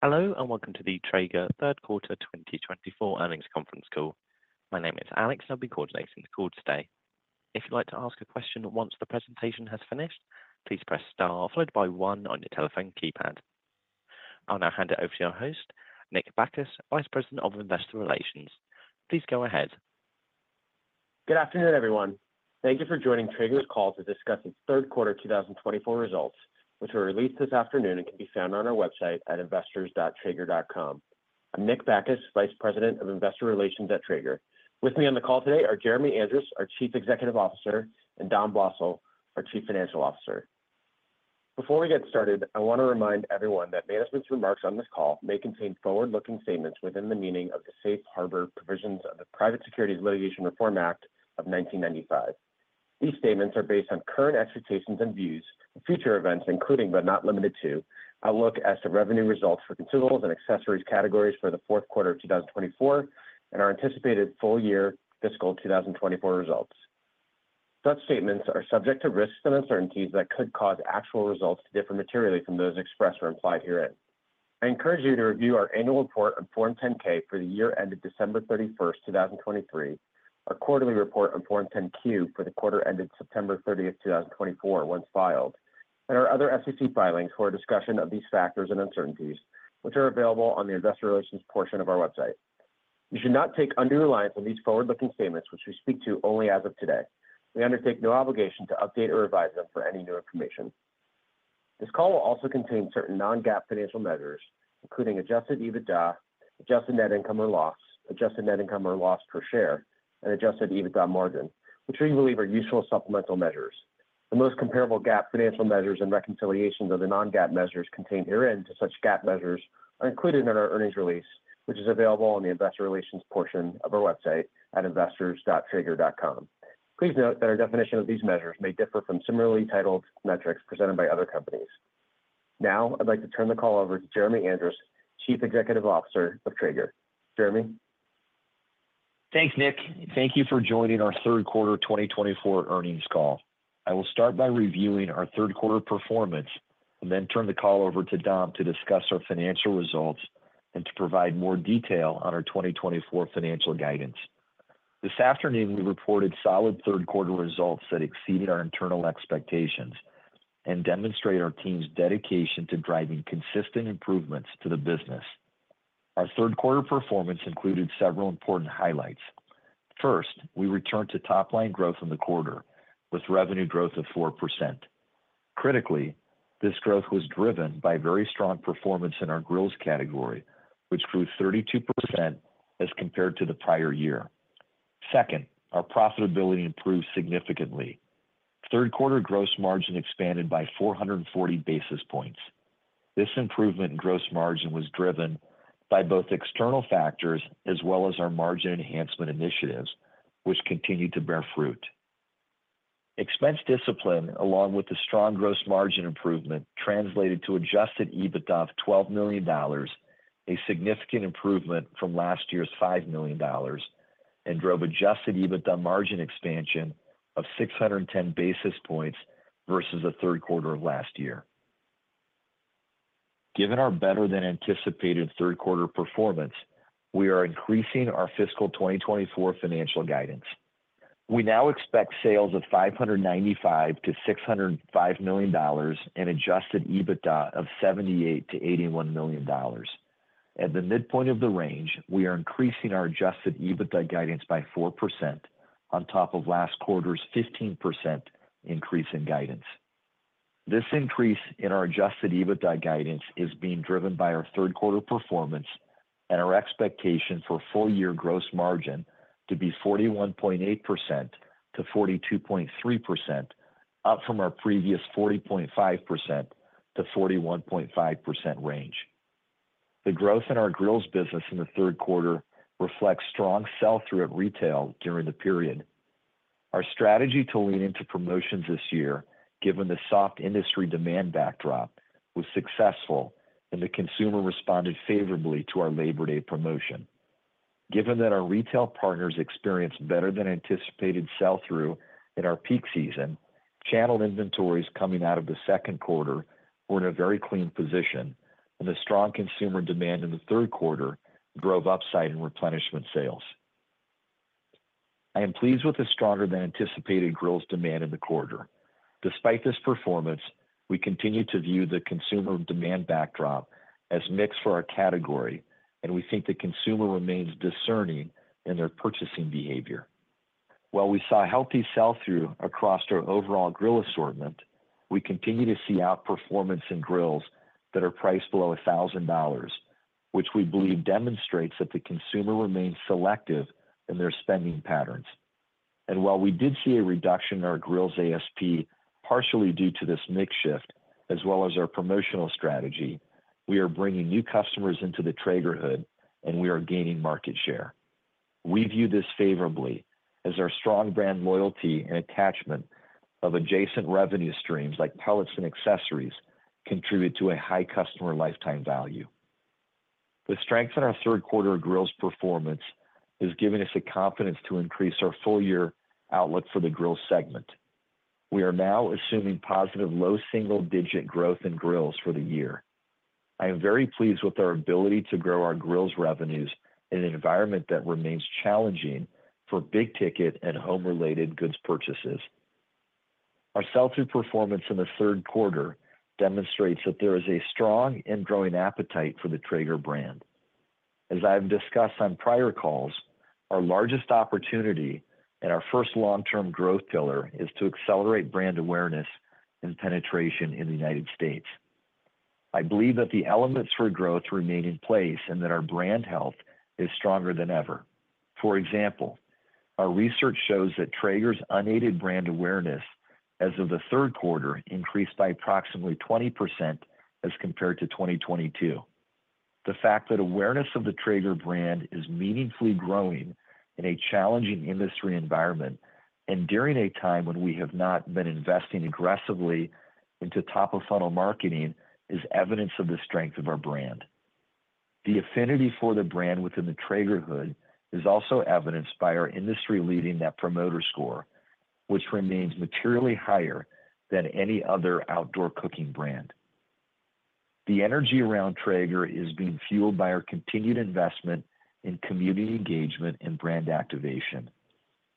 Hello and welcome to the Traeger Q3 2024 earnings conference call. My name is Alex, and I'll be coordinating the call today. If you'd like to ask a question once the presentation has finished, please press star followed by one on your telephone keypad. I'll now hand it over to your host, Nick Bacchus, Vice President of Investor Relations. Please go ahead. Good afternoon, everyone. Thank you for joining Traeger's call to discuss its Q3 2024 results, which were released this afternoon and can be found on our website at investors.traeger.com. I'm Nick Bacchus, Vice President of Investor Relations at Traeger. With me on the call today are Jeremy Andrus, our Chief Executive Officer, and Dom Blosil, our Chief Financial Officer. Before we get started, I want to remind everyone that management's remarks on this call may contain forward-looking statements within the meaning of the Safe Harbor provisions of the Private Securities Litigation Reform Act of 1995. These statements are based on current expectations and views of future events, including but not limited to, outlook as to revenue results for consumables and accessories categories for Q4 2024 and our anticipated full-year fiscal 2024 results. Such statements are subject to risks and uncertainties that could cause actual results to differ materially from those expressed or implied herein. I encourage you to review our annual report on Form 10-K for the year ended December 31, 2023, our quarterly report on Form 10-Q for the quarter ended September 30, 2024, once filed, and our other SEC filings for a discussion of these factors and uncertainties, which are available on the Investor Relations portion of our website. You should not place undue reliance on these forward-looking statements, which we speak to only as of today. We undertake no obligation to update or revise them for any new information. This call will also contain certain non-GAAP financial measures, including adjusted EBITDA, adjusted net income or loss, adjusted net income or loss per share, and adjusted EBITDA margin, which we believe are useful supplemental measures. The most comparable GAAP financial measures and reconciliations of the non-GAAP measures contained herein to such GAAP measures are included in our earnings release, which is available on the Investor Relations portion of our website at investors.traeger.com. Please note that our definition of these measures may differ from similarly titled metrics presented by other companies. Now, I'd like to turn the call over to Jeremy Andrus, Chief Executive Officer of Traeger. Jeremy. Thanks, Nick. Thank you for joining our Q3 2024 earnings call. I will start by reviewing our Q3 performance and then turn the call over to Dom to discuss our financial results and to provide more detail on our 2024 financial guidance. This afternoon, we reported solid Q3 results that exceeded our internal expectations and demonstrate our team's dedication to driving consistent improvements to the business. Our Q3 performance included several important highlights. First, we returned to top-line growth in the quarter, with revenue growth of 4%. Critically, this growth was driven by very strong performance in our grills category, which grew 32% as compared to the prior year. Second, our profitability improved significantly. Q3 gross margin expanded by 440 basis points. This improvement in gross margin was driven by both external factors as well as our margin enhancement initiatives, which continued to bear fruit. Expense discipline, along with the strong gross margin improvement, translated to adjusted EBITDA of $12 million, a significant improvement from last year's $5 million, and drove adjusted EBITDA margin expansion of 610 basis points versus Q3 of last year. Given our better-than-anticipated Q3 performance, we are increasing our fiscal 2024 financial guidance. We now expect sales of $595 million-$605 million and adjusted EBITDA of $78 million-$81 million. At the midpoint of the range, we are increasing our adjusted EBITDA guidance by 4% on top of last quarter's 15% increase in guidance. This increase in our adjusted EBITDA guidance is being driven by our Q3 performance and our expectation for full-year gross margin to be 41.8%-42.3%, up from our previous 40.5%-41.5% range. The growth in our grills business in the Q3 reflects strong sell-through at retail during the period. Our strategy to lean into promotions this year, given the soft industry demand backdrop, was successful, and the consumer responded favorably to our Labor Day promotion. Given that our retail partners experienced better-than-anticipated sell-through in our peak season, channel inventories coming out of the Q2 were in a very clean position, and the strong consumer demand in the Q3 drove upside in replenishment sales. I am pleased with the stronger-than-anticipated grills demand in the quarter. Despite this performance, we continue to view the consumer demand backdrop as mixed for our category, and we think the consumer remains discerning in their purchasing behavior. While we saw healthy sell-through across our overall grill assortment, we continue to see outperformance in grills that are priced below $1,000, which we believe demonstrates that the consumer remains selective in their spending patterns. While we did see a reduction in our grills ASP, partially due to this mix shift, as well as our promotional strategy, we are bringing new customers into the Traegerhood, and we are gaining market share. We view this favorably as our strong brand loyalty and attachment of adjacent revenue streams like pellets and accessories contribute to a high customer lifetime value. The strength in our Q3 grills performance is giving us the confidence to increase our full-year outlook for the grills segment. We are now assuming positive low single-digit growth in grills for the year. I am very pleased with our ability to grow our grills revenues in an environment that remains challenging for big-ticket and home-related goods purchases. Our sell-through performance in the Q3 demonstrates that there is a strong and growing appetite for the Traeger brand. As I have discussed on prior calls, our largest opportunity and our first long-term growth pillar is to accelerate brand awareness and penetration in the United States. I believe that the elements for growth remain in place and that our brand health is stronger than ever. For example, our research shows that Traeger's unaided brand awareness as of the Q3 increased by approximately 20% as compared to 2022. The fact that awareness of the Traeger brand is meaningfully growing in a challenging industry environment and during a time when we have not been investing aggressively into top-of-funnel marketing is evidence of the strength of our brand. The affinity for the brand within the Traegerhood is also evidenced by our industry-leading Net Promoter Score, which remains materially higher than any other outdoor cooking brand. The energy around Traeger is being fueled by our continued investment in community engagement and brand activation.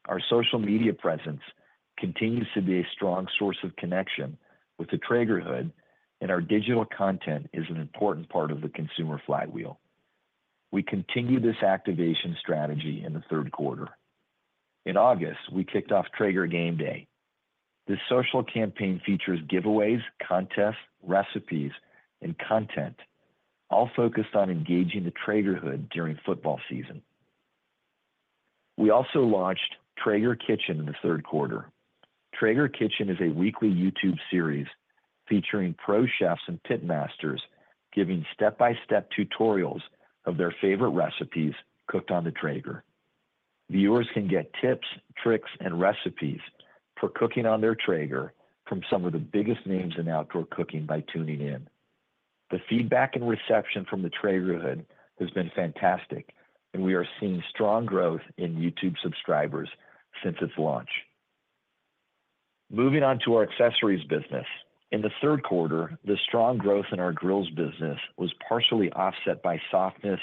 Our social media presence continues to be a strong source of connection with the Traegerhood, and our digital content is an important part of the consumer flywheel. We continue this activation strategy in the Q3. In August, we kicked off Traeger Game Day. This social campaign features giveaways, contests, recipes, and content, all focused on engaging the Traegerhood during football season. We also launched Traeger Kitchen in the Q3. Traeger Kitchen is a weekly YouTube series featuring pro chefs and pit masters giving step-by-step tutorials of their favorite recipes cooked on the Traeger. Viewers can get tips, tricks, and recipes for cooking on their Traeger from some of the biggest names in outdoor cooking by tuning in. The feedback and reception from the Traeger Kitchen has been fantastic, and we are seeing strong growth in YouTube subscribers since its launch. Moving on to our accessories business. In the Q3, the strong growth in our grills business was partially offset by softness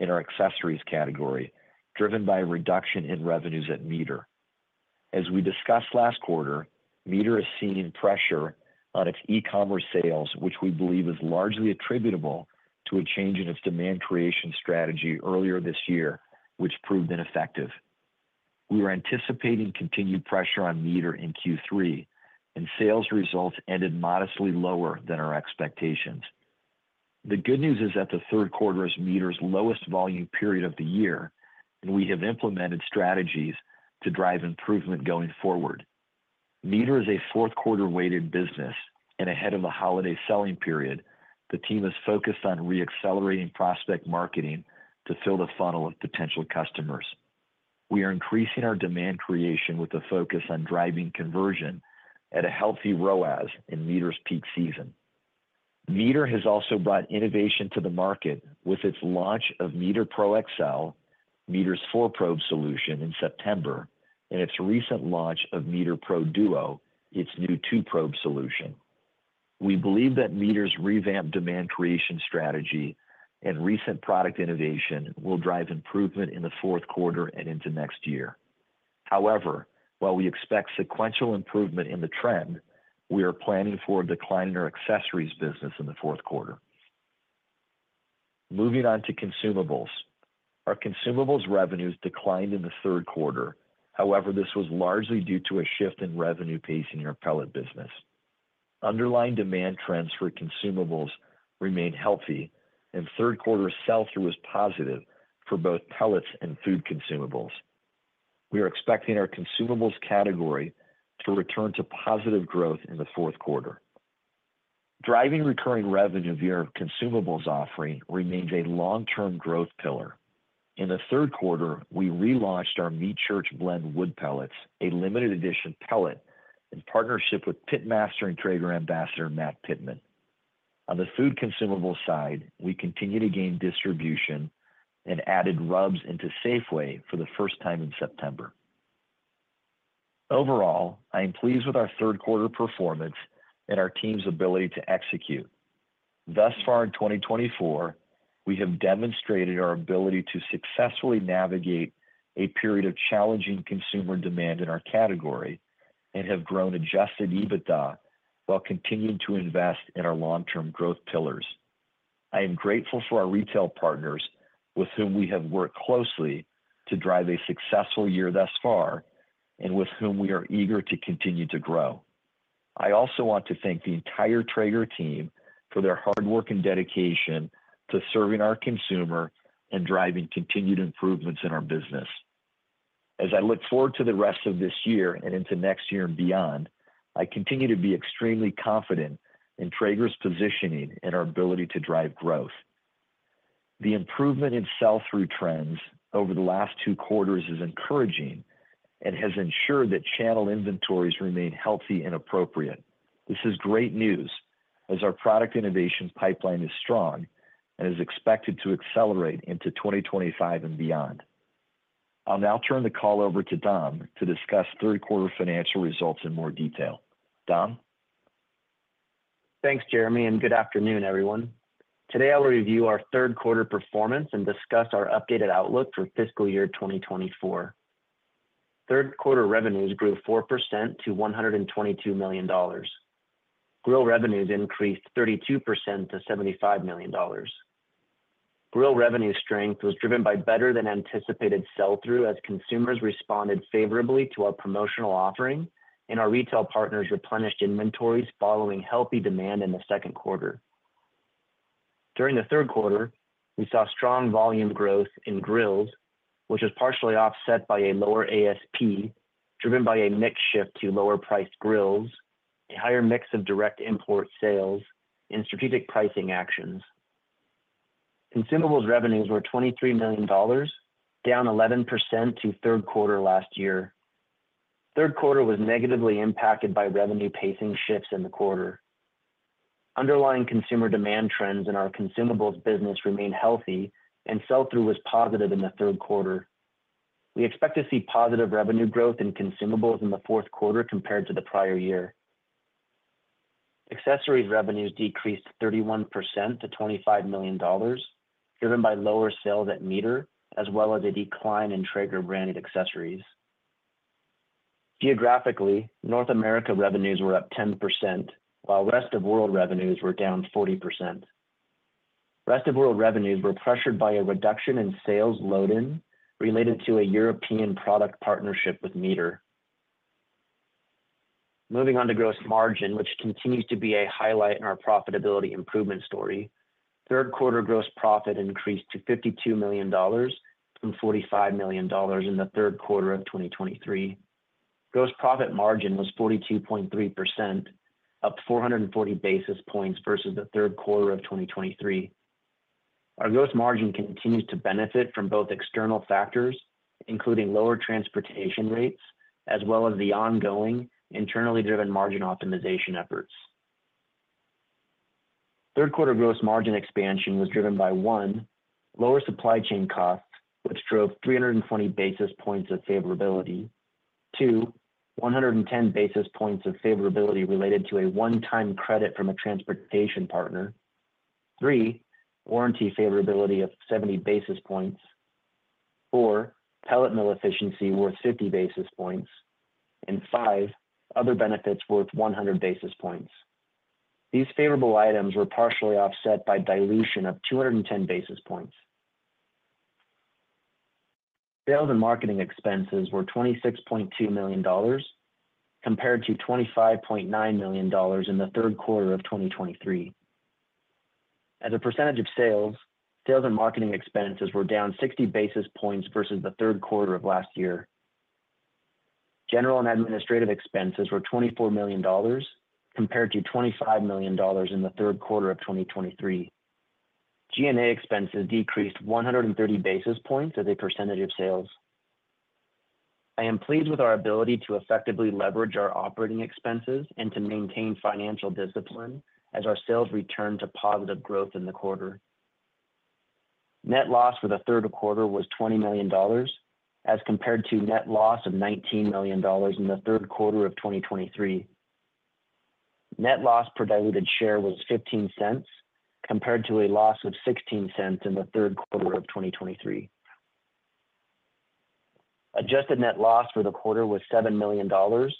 in our accessories category, driven by a reduction in revenues at MEATER. As we discussed last quarter, MEATER is seeing pressure on its e-commerce sales, which we believe is largely attributable to a change in its demand creation strategy earlier this year, which proved ineffective. We were anticipating continued pressure on MEATER in Q3, and sales results ended modestly lower than our expectations. The good news is that the Q3 is MEATER's lowest volume period of the year, and we have implemented strategies to drive improvement going forward. MEATER is a Q4-weighted business, and ahead of the holiday selling period, the team is focused on re-accelerating prospect marketing to fill the funnel with potential customers. We are increasing our demand creation with a focus on driving conversion at a healthy ROAS in MEATER's peak season. MEATER has also brought innovation to the market with its launch of MEATER Pro XL, MEATER's four-probe solution in September, and its recent launch of MEATER Pro Duo, its new two-probe solution. We believe that MEATER's revamped demand creation strategy and recent product innovation will drive improvement in the Q4 and into next year. However, while we expect sequential improvement in the trend, we are planning for a decline in our accessories business in the Q4. Moving on to consumables. Our consumables revenues declined in the Q3. However, this was largely due to a shift in revenue pace in our pellet business. Underlying demand trends for consumables remained healthy, and Q3's sell-through was positive for both pellets and food consumables. We are expecting our consumables category to return to positive growth in the Q4. Driving recurring revenue via our consumables offering remains a long-term growth pillar. In the Q3, we relaunched our Meat Church Blend Wood Pellets, a limited-edition pellet, in partnership with pit master and Traeger ambassador, Matt Pittman. On the food consumables side, we continue to gain distribution and added rubs into Safeway for the first time in September. Overall, I am pleased with our Q3 performance and our team's ability to execute. Thus far in 2024, we have demonstrated our ability to successfully navigate a period of challenging consumer demand in our category and have grown Adjusted EBITDA while continuing to invest in our long-term growth pillars. I am grateful for our retail partners with whom we have worked closely to drive a successful year thus far and with whom we are eager to continue to grow. I also want to thank the entire Traeger team for their hard work and dedication to serving our consumer and driving continued improvements in our business. As I look forward to the rest of this year and into next year and beyond, I continue to be extremely confident in Traeger's positioning and our ability to drive growth. The improvement in sell-through trends over the last two quarters is encouraging and has ensured that channel inventories remain healthy and appropriate. This is great news as our product innovation pipeline is strong and is expected to accelerate into 2025 and beyond. I'll now turn the call over to Dom to discuss Q3 financial results in more detail. Dom? Thanks, Jeremy, and good afternoon, everyone. Today, I will review our Q3 performance and discuss our updated outlook for fiscal year 2024. Q3 revenues grew 4% to $122 million. Grill revenues increased 32% to $75 million. Grill revenue strength was driven by better-than-anticipated sell-through as consumers responded favorably to our promotional offering and our retail partners' replenished inventories following healthy demand in the Q2. During the Q3, we saw strong volume growth in grills, which was partially offset by a lower ASP driven by a mix shift to lower-priced grills, a higher mix of direct import sales, and strategic pricing actions. Consumables revenues were $23 million, down 11% to Q3 last year. Q3 was negatively impacted by revenue pacing shifts in the quarter. Underlying consumer demand trends in our consumables business remain healthy, and sell-through was positive in the Q3. We expect to see positive revenue growth in consumables in the Q4 compared to the prior year. Accessories revenues decreased 31% to $25 million, driven by lower sales at MEATER as well as a decline in Traeger branded accessories. Geographically, North America revenues were up 10%, while Rest of World revenues were down 40%. Rest of World revenues were pressured by a reduction in sales load-in related to a European product partnership with MEATER. Moving on to gross margin, which continues to be a highlight in our profitability improvement story, Q3 gross profit increased to $52 million from $45 million in the Q3 of 2023. Gross profit margin was 42.3%, up 440 basis points versus the Q3 of 2023. Our gross margin continues to benefit from both external factors, including lower transportation rates, as well as the ongoing internally-driven margin optimization efforts. Q3 gross margin expansion was driven by one, lower supply chain costs, which drove 320 basis points of favorability. Two, 110 basis points of favorability related to a one-time credit from a transportation partner. Three, warranty favorability of 70 basis points. Four, pellet mill efficiency worth 50 basis points. And five, other benefits worth 100 basis points. These favorable items were partially offset by dilution of 210 basis points. Sales and marketing expenses were $26.2 million compared to $25.9 million in the Q3 of 2023. As a percentage of sales, sales and marketing expenses were down 60 basis points versus the Q3 of last year. General and administrative expenses were $24 million compared to $25 million in the Q3 of 2023. G&A expenses decreased 130 basis points as a percentage of sales. I am pleased with our ability to effectively leverage our operating expenses and to maintain financial discipline as our sales returned to positive growth in the quarter. Net loss for the Q3 was $20 million as compared to net loss of $19 million in the Q3 of 2023. Net loss per diluted share was $0.15 compared to a loss of $0.16 in the Q3 of 2023. Adjusted net loss for the quarter was $7 million, or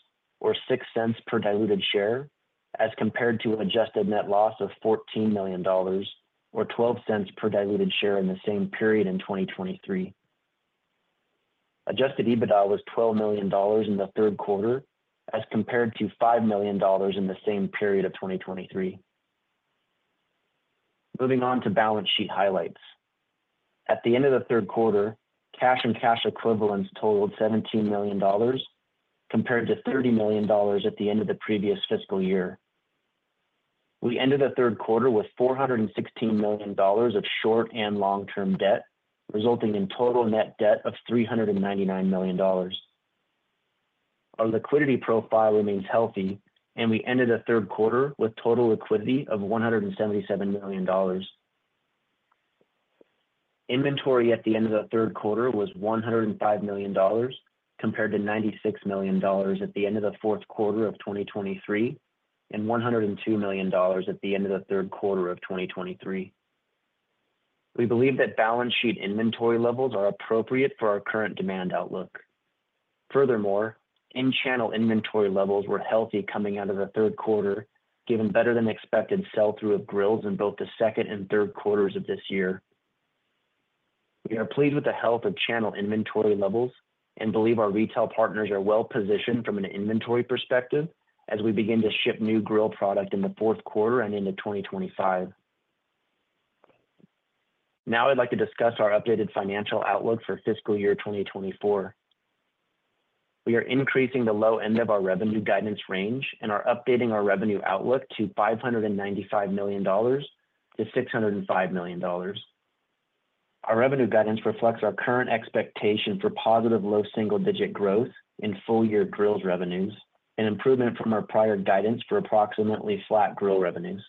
$0.06 per diluted share, as compared to an adjusted net loss of $14 million, or $0.12 per diluted share in the same period in 2023. Adjusted EBITDA was $12 million in the Q3 as compared to $5 million in the same period of 2023. Moving on to balance sheet highlights. At the end of the Q3, cash and cash equivalents totaled $17 million compared to $30 million at the end of the previous fiscal year. We ended the Q3 with $416 million of short and long-term debt, resulting in total net debt of $399 million. Our liquidity profile remains healthy, and we ended the Q3 with total liquidity of $177 million. Inventory at the end of the Q3 was $105 million compared to $96 million at the end of the Q4 of 2023 and $102 million at the end of the Q3 of 2023. We believe that balance sheet inventory levels are appropriate for our current demand outlook. Furthermore, in-channel inventory levels were healthy coming out of the Q3, given better-than-expected sell-through of grills in both the second and third quarters of this year. We are pleased with the health of channel inventory levels and believe our retail partners are well-positioned from an inventory perspective as we begin to ship new grill product in the Q4 and into 2025. Now, I'd like to discuss our updated financial outlook for fiscal year 2024. We are increasing the low end of our revenue guidance range and are updating our revenue outlook to $595 million-$605 million. Our revenue guidance reflects our current expectation for positive low single-digit growth in full-year grills revenues and improvement from our prior guidance for approximately flat grill revenues.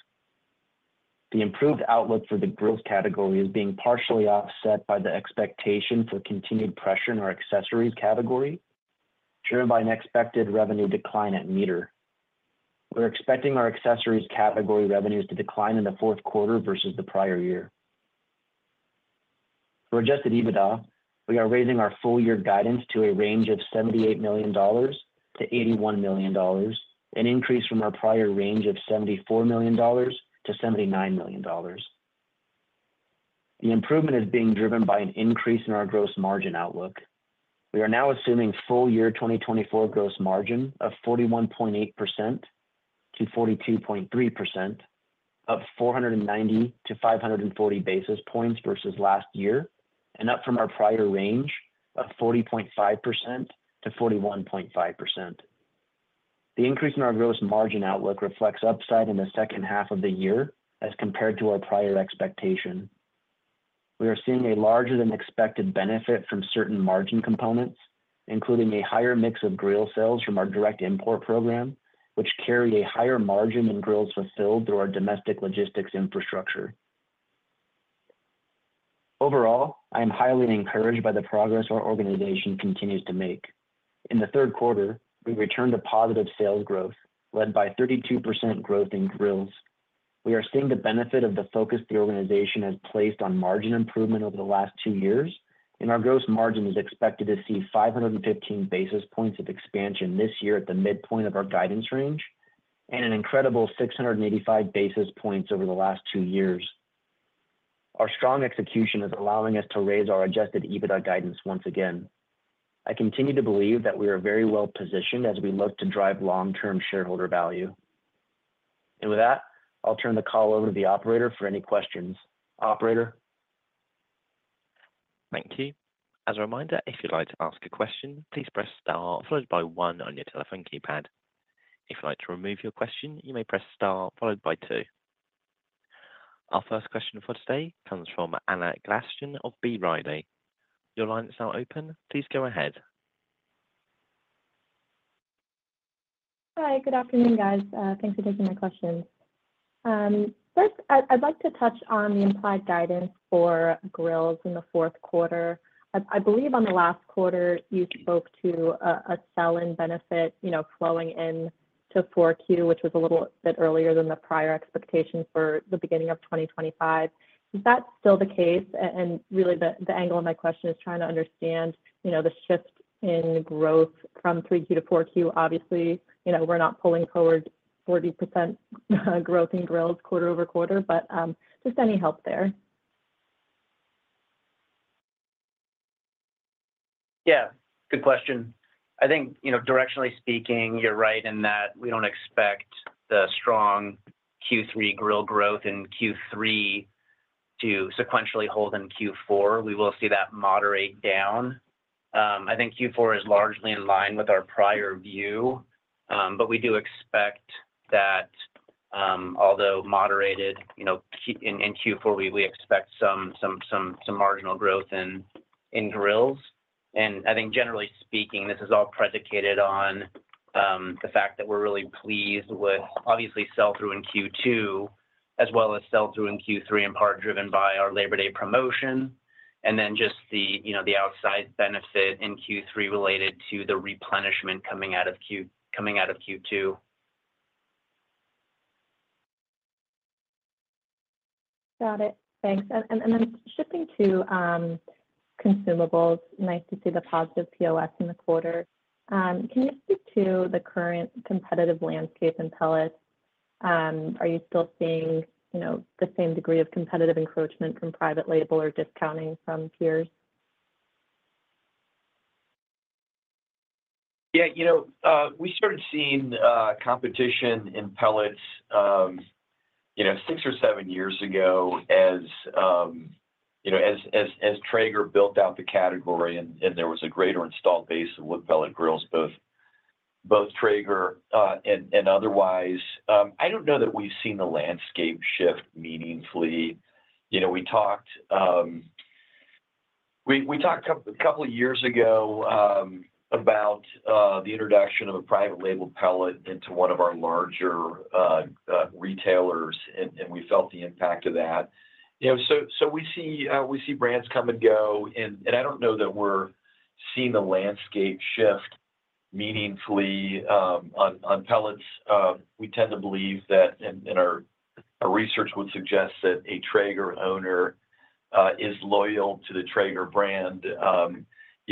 The improved outlook for the grills category is being partially offset by the expectation for continued pressure in our accessories category, driven by an expected revenue decline at MEATER. We're expecting our accessories category revenues to decline in the Q4 versus the prior year. For Adjusted EBITDA, we are raising our full-year guidance to a range of $78 million-$81 million, an increase from our prior range of $74 million-$79 million. The improvement is being driven by an increase in our Gross Margin outlook. We are now assuming full-year 2024 Gross Margin of 41.8%-42.3%, up 490 basis point-540 basis points versus last year, and up from our prior range of 40.5%-41.5%. The increase in our Gross Margin outlook reflects upside in the second half of the year as compared to our prior expectation. We are seeing a larger-than-expected benefit from certain margin components, including a higher mix of grill sales from our direct import program, which carry a higher margin than grills fulfilled through our domestic logistics infrastructure. Overall, I am highly encouraged by the progress our organization continues to make. In the Q3, we returned to positive sales growth, led by 32% growth in grills. We are seeing the benefit of the focus the organization has placed on margin improvement over the last two years, and our gross margin is expected to see 515 basis points of expansion this year at the midpoint of our guidance range and an incredible 685 basis points over the last two years. Our strong execution is allowing us to raise our Adjusted EBITDA guidance once again. I continue to believe that we are very well-positioned as we look to drive long-term shareholder value. And with that, I'll turn the call over to the operator for any questions. Operator? Thank you. As a reminder, if you'd like to ask a question, please press STAR followed by one on your telephone keypad. If you'd like to remove your question, you may press STAR followed by two. Our first question for today comes from Anna Glaessgen of B. Riley. Your line is now open. Please go ahead. Hi, good afternoon, guys. Thanks for taking my questions. First, I'd like to touch on the implied guidance for grills in the Q4. I believe on the last quarter, you spoke to a sell-in benefit flowing into 4Q, which was a little bit earlier than the prior expectation for the beginning of 2025. Is that still the case, and really, the angle of my question is trying to understand the shift in growth from 3Q to 4Q. Obviously, we're not pulling forward 40% growth in grills quarter over quarter, but just any help there? Yeah, good question. I think, directionally speaking, you're right in that we don't expect the strong Q3 grill growth in Q3 to sequentially hold in Q4. We will see that moderate down. I think Q4 is largely in line with our prior view, but we do expect that, although moderated in Q4, we expect some marginal growth in grills. And I think, generally speaking, this is all predicated on the fact that we're really pleased with, obviously, sell-through in Q2 as well as sell-through in Q3 in part driven by our Labor Day promotion and then just the outsize benefit in Q3 related to the replenishment coming out of Q2. Got it. Thanks, and then shifting to consumables, nice to see the positive POS in the quarter. Can you speak to the current competitive landscape in pellets? Are you still seeing the same degree of competitive encroachment from private label or discounting from peers? Yeah. We started seeing competition in pellets six or seven years ago as Traeger built out the category, and there was a greater installed base of wood pellet grills, both Traeger and otherwise. I don't know that we've seen the landscape shift meaningfully. We talked a couple of years ago about the introduction of a private label pellet into one of our larger retailers, and we felt the impact of that. So we see brands come and go, and I don't know that we're seeing the landscape shift meaningfully on pellets. We tend to believe that, and our research would suggest, that a Traeger owner is loyal to the Traeger brand.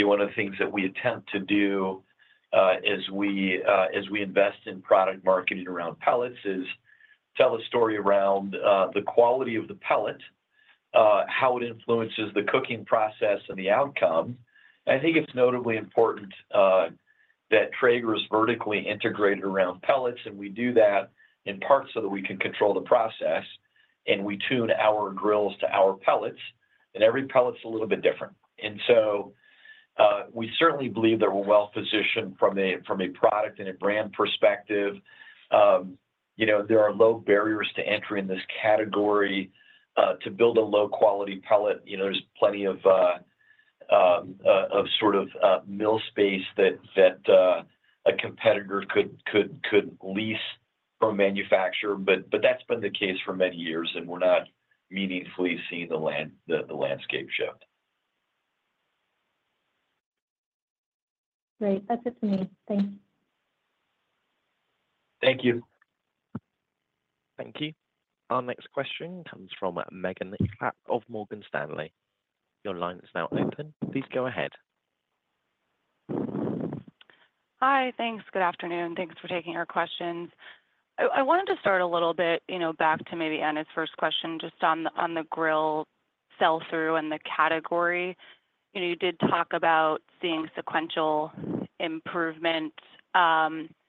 One of the things that we attempt to do as we invest in product marketing around pellets is tell a story around the quality of the pellet, how it influences the cooking process and the outcome. I think it's notably important that Traeger is vertically integrated around pellets, and we do that in part so that we can control the process, and we tune our grills to our pellets, and every pellet's a little bit different, and so we certainly believe that we're well-positioned from a product and a brand perspective. There are low barriers to entry in this category. To build a low-quality pellet, there's plenty of sort of mill space that a competitor could lease from a manufacturer, but that's been the case for many years, and we're not meaningfully seeing the landscape shift. Great. That's it for me. Thanks. Thank you. Thank you. Our next question comes from Megan Alexander of Morgan Stanley. Your line is now open. Please go ahead. Hi, thanks. Good afternoon. Thanks for taking our questions. I wanted to start a little bit back to maybe Anna's first question just on the grill sell-through and the category. You did talk about seeing sequential improvement, and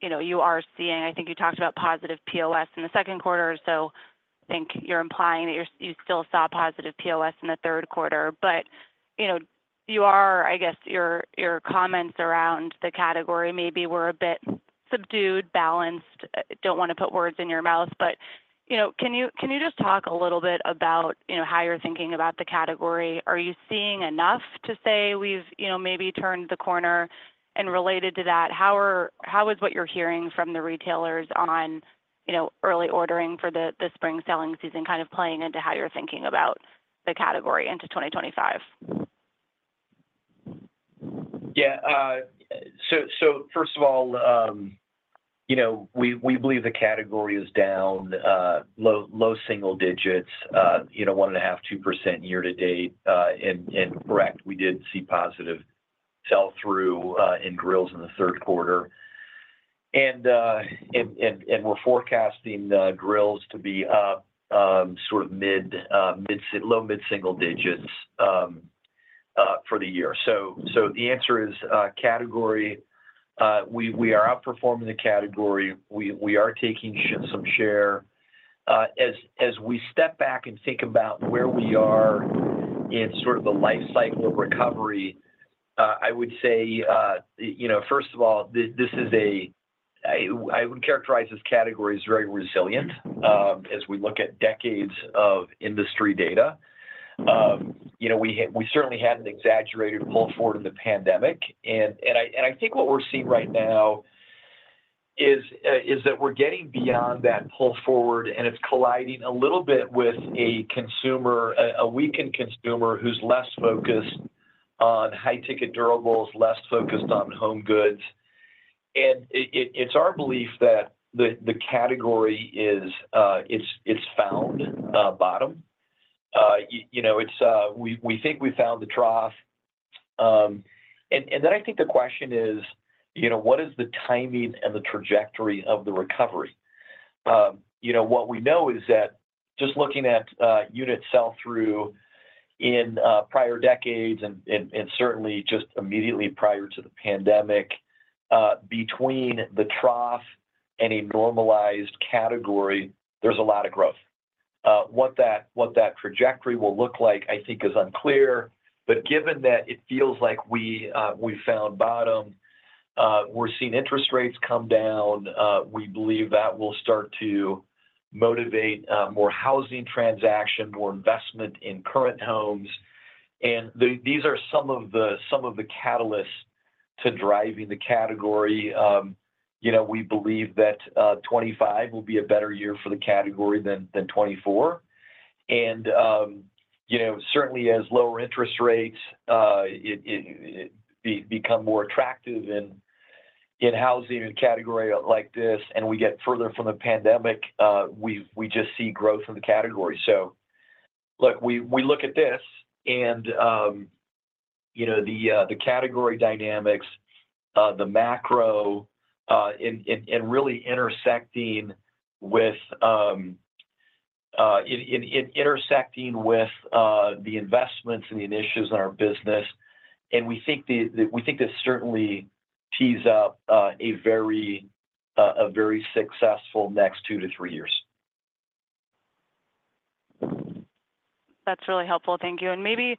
you are seeing, I think you talked about positive POS in the second quarter, so I think you're implying that you still saw positive POS in the third quarter. But you are, I guess, your comments around the category maybe were a bit subdued, balanced. Don't want to put words in your mouth, but can you just talk a little bit about how you're thinking about the category? Are you seeing enough to say we've maybe turned the corner? And related to that, how is what you're hearing from the retailers on early ordering for the spring selling season kind of playing into how you're thinking about the category into 2025? Yeah. So first of all, we believe the category is down low single digits, 1.5%-2% year to date. And correct, we did see positive sell-through in grills in the third quarter. And we're forecasting grills to be up sort of low mid-single digits for the year. So the answer is category. We are outperforming the category. We are taking some share. As we step back and think about where we are in sort of the life cycle of recovery, I would say, first of all, this is a, I would characterize this category as very resilient as we look at decades of industry data. We certainly had an exaggerated pull forward in the pandemic. I think what we're seeing right now is that we're getting beyond that pull forward, and it's colliding a little bit with a weakened consumer who's less focused on high-ticket durables, less focused on home goods. It's our belief that the category is. It's found bottom. We think we found the trough. Then I think the question is, what is the timing and the trajectory of the recovery? What we know is that just looking at unit sell-through in prior decades and certainly just immediately prior to the pandemic, between the trough and a normalized category, there's a lot of growth. What that trajectory will look like, I think, is unclear. Given that it feels like we found bottom, we're seeing interest rates come down. We believe that will start to motivate more housing transaction, more investment in current homes. These are some of the catalysts to driving the category. We believe that 2025 will be a better year for the category than 2024. And certainly, as lower interest rates become more attractive in housing and category like this and we get further from the pandemic, we just see growth in the category. So look, we look at this, and the category dynamics, the macro, and really intersecting with the investments and the initiatives in our business. And we think this certainly tees up a very successful next two to three years. That's really helpful. Thank you. And maybe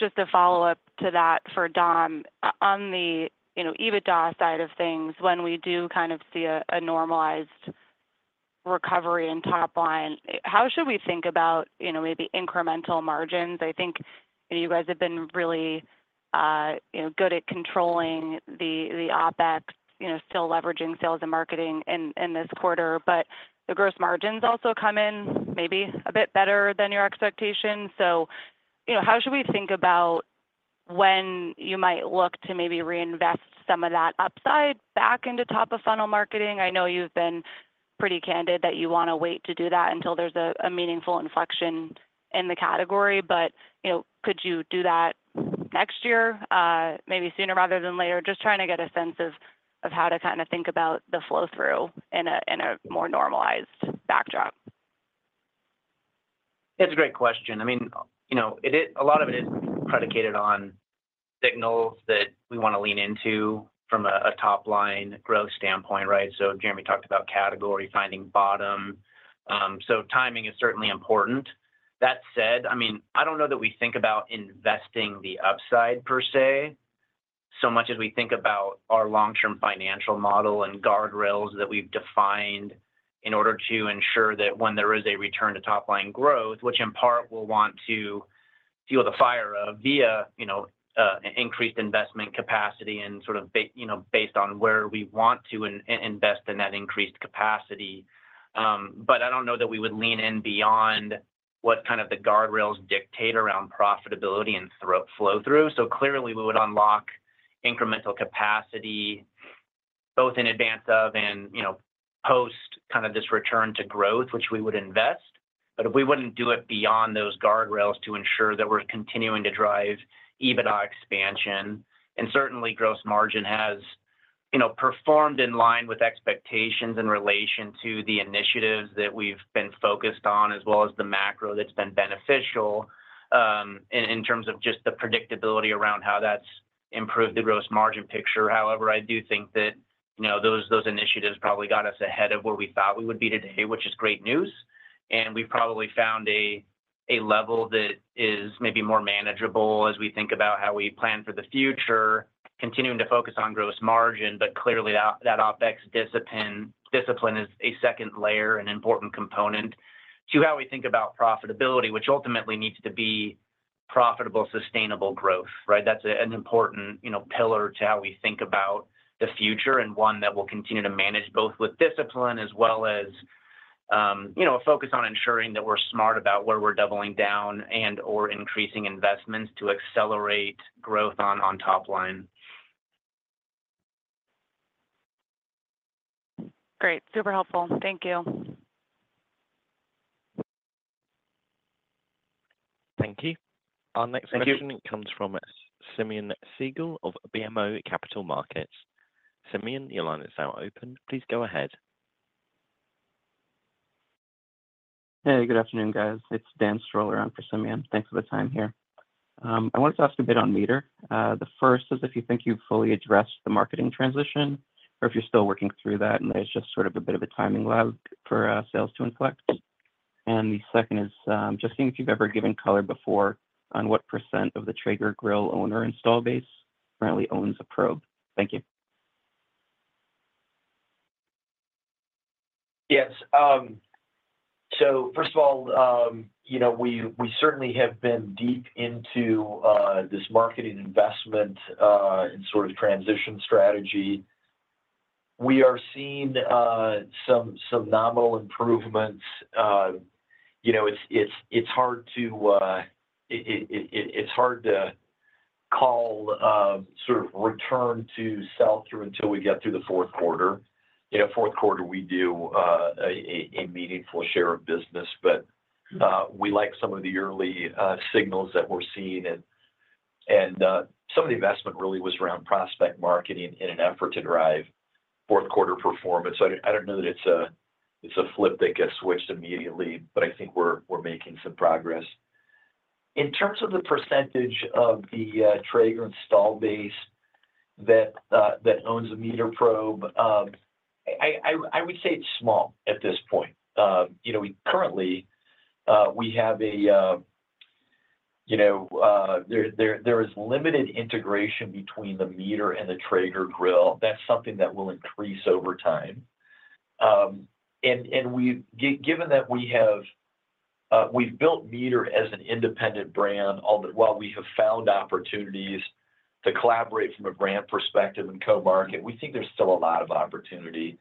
just a follow-up to that for Dom, on the EBITDA side of things, when we do kind of see a normalized recovery in top line, how should we think about maybe incremental margins? I think you guys have been really good at controlling the OpEx, still leveraging sales and marketing in this quarter, but the gross margins also come in maybe a bit better than your expectation. So how should we think about when you might look to maybe reinvest some of that upside back into top-of-funnel marketing? I know you've been pretty candid that you want to wait to do that until there's a meaningful inflection in the category, but could you do that next year, maybe sooner rather than later? Just trying to get a sense of how to kind of think about the flow-through in a more normalized backdrop. It's a great question. I mean, a lot of it is predicated on signals that we want to lean into from a top-line growth standpoint, right? So Jeremy talked about category finding bottom. So timing is certainly important. That said, I mean, I don't know that we think about investing the upside per se so much as we think about our long-term financial model and guardrails that we've defined in order to ensure that when there is a return to top-line growth, which in part we'll want to fuel the fire of via increased investment capacity and sort of based on where we want to invest in that increased capacity. But I don't know that we would lean in beyond what kind of the guardrails dictate around profitability and flow-through. So clearly, we would unlock incremental capacity both in advance of and post kind of this return to growth, which we would invest. But we wouldn't do it beyond those guardrails to ensure that we're continuing to drive EBITDA expansion. And certainly, gross margin has performed in line with expectations in relation to the initiatives that we've been focused on as well as the macro that's been beneficial in terms of just the predictability around how that's improved the gross margin picture. However, I do think that those initiatives probably got us ahead of where we thought we would be today, which is great news. And we've probably found a level that is maybe more manageable as we think about how we plan for the future, continuing to focus on gross margin. but clearly, that OpEx discipline is a second layer and important component to how we think about profitability, which ultimately needs to be profitable, sustainable growth, right? That's an important pillar to how we think about the future and one that will continue to manage both with discipline as well as a focus on ensuring that we're smart about where we're doubling down and/or increasing investments to accelerate growth on top line. Great. Super helpful. Thank you. Thank you. Our next question comes from Simeon Siegel of BMO Capital Markets. Simeon, your line is now open. Please go ahead. Hey, good afternoon, guys. It's Dan Stoller on for Simeon. Thanks for the time here. I wanted to ask a bit on MEATER. The first is if you think you've fully addressed the marketing transition or if you're still working through that and there's just sort of a bit of a timing lag for sales to inflect, and the second is just seeing if you've ever given color before on what % of the Traeger grill owner install base currently owns a probe. Thank you. Yes. So first of all, we certainly have been deep into this marketing investment and sort of transition strategy. We are seeing some nominal improvements. It's hard to. It's hard to call sort of return to sell-through until we get through the fourth quarter. Fourth quarter, we do a meaningful share of business, but we like some of the early signals that we're seeing. And some of the investment really was around prospect marketing in an effort to drive fourth-quarter performance. I don't know that it's a flip that gets switched immediately, but I think we're making some progress. In terms of the percentage of the Traeger install base that owns a MEATER probe, I would say it's small at this point. Currently, there is limited integration between the MEATER and the Traeger grill. That's something that will increase over time. Given that we've built MEATER as an independent brand while we have found opportunities to collaborate from a brand perspective and co-market, we think there's still a lot of opportunity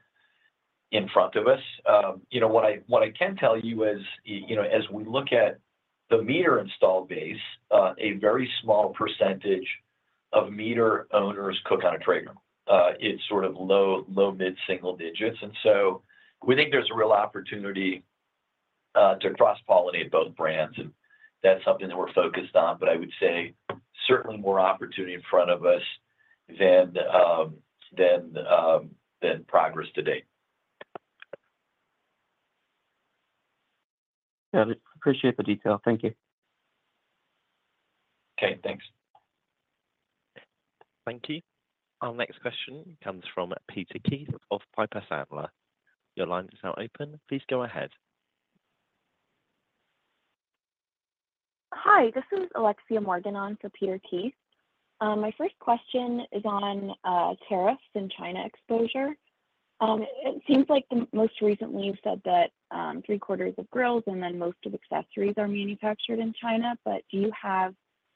in front of us. What I can tell you is as we look at the MEATER installed base, a very small percentage of MEATER owners cook on a Traeger. It's sort of low, mid-single digits. So we think there's a real opportunity to cross-pollinate both brands. That's something that we're focused on. I would say certainly more opportunity in front of us than progress today. Got it. Appreciate the detail. Thank you. Okay. Thanks. Thank you. Our next question comes from Peter Keith of Piper Sandler. Your line is now open. Please go ahead. Hi. This is Alexia Morgan for Peter Keith. My first question is on tariffs and China exposure. It seems like most recently you said that three-quarters of grills and then most of accessories are manufactured in China. But do you have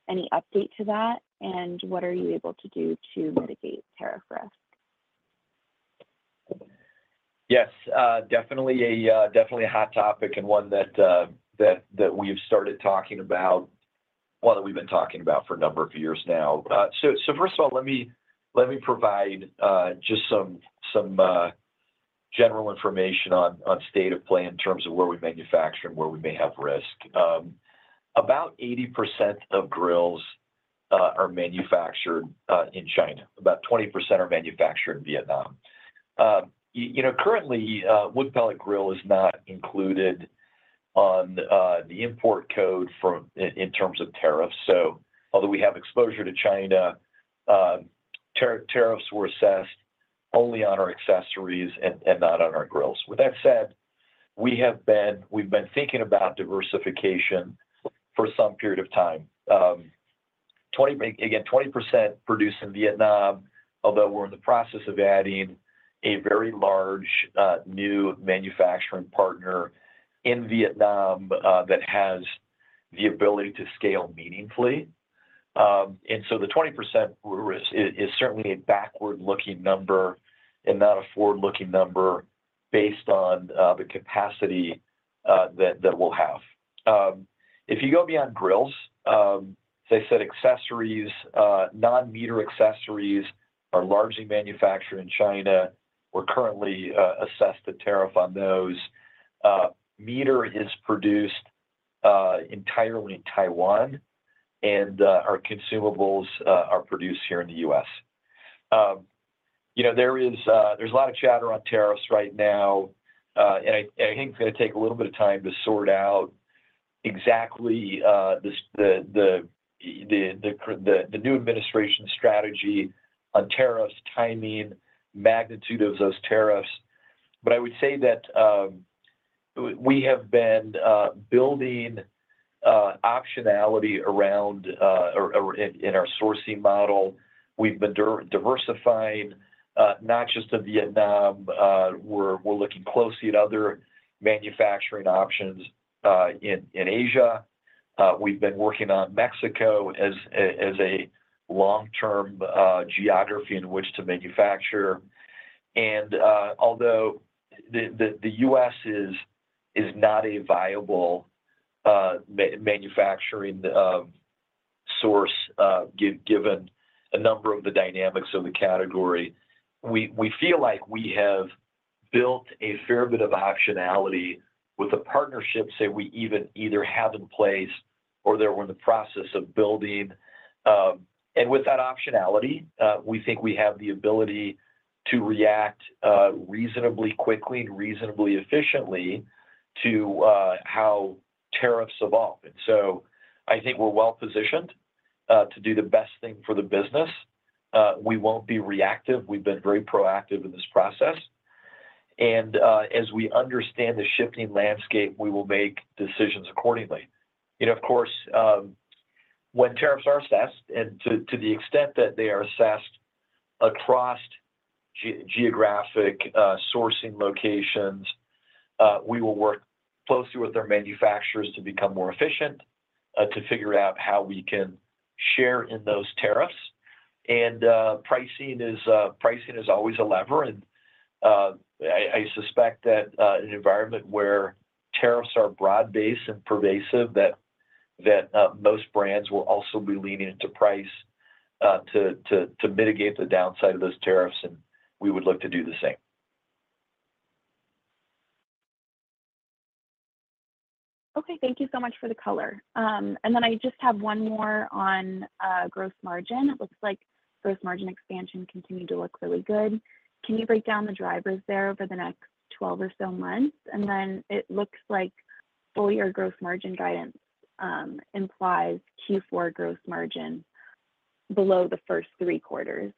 any update to that? And what are you able to do to mitigate tariff risk? Yes. Definitely a hot topic and one that we've started talking about, well, we've been talking about for a number of years now. So first of all, let me provide just some general information on state of play in terms of where we manufacture and where we may have risk. About 80% of grills are manufactured in China. About 20% are manufactured in Vietnam. Currently, wood pellet grill is not included on the import code in terms of tariffs. So although we have exposure to China, tariffs were assessed only on our accessories and not on our grills. With that said, we've been thinking about diversification for some period of time. Again, 20% produced in Vietnam, although we're in the process of adding a very large new manufacturing partner in Vietnam that has the ability to scale meaningfully. And so the 20% is certainly a backward-looking number and not a forward-looking number based on the capacity that we'll have. If you go beyond grills, as I said, non-MEATER accessories are largely manufactured in China. We're currently assessed to tariff on those. MEATER is produced entirely in Taiwan, and our consumables are produced here in the U.S. There's a lot of chatter on tariffs right now. And I think it's going to take a little bit of time to sort out exactly the new administration's strategy on tariffs, timing, magnitude of those tariffs. But I would say that we have been building optionality around in our sourcing model. We've been diversifying not just to Vietnam. We're looking closely at other manufacturing options in Asia. We've been working on Mexico as a long-term geography in which to manufacture. And although the U.S. is not a viable manufacturing source given a number of the dynamics of the category, we feel like we have built a fair bit of optionality with a partnership, say, we either have in place or that we're in the process of building. And with that optionality, we think we have the ability to react reasonably quickly and reasonably efficiently to how tariffs evolve. And so I think we're well-positioned to do the best thing for the business. We won't be reactive. We've been very proactive in this process. And as we understand the shifting landscape, we will make decisions accordingly. Of course, when tariffs are assessed, and to the extent that they are assessed across geographic sourcing locations, we will work closely with our manufacturers to become more efficient, to figure out how we can share in those tariffs. And pricing is always a lever. I suspect that in an environment where tariffs are broad-based and pervasive, that most brands will also be leaning to price to mitigate the downside of those tariffs, and we would look to do the same. Okay. Thank you so much for the color. And then I just have one more on Gross Margin. It looks like Gross Margin expansion continued to look really good. Can you break down the drivers there over the next 12 or so months? And then it looks like fully your Gross Margin guidance implies Q4 Gross Margin below the first three quarters.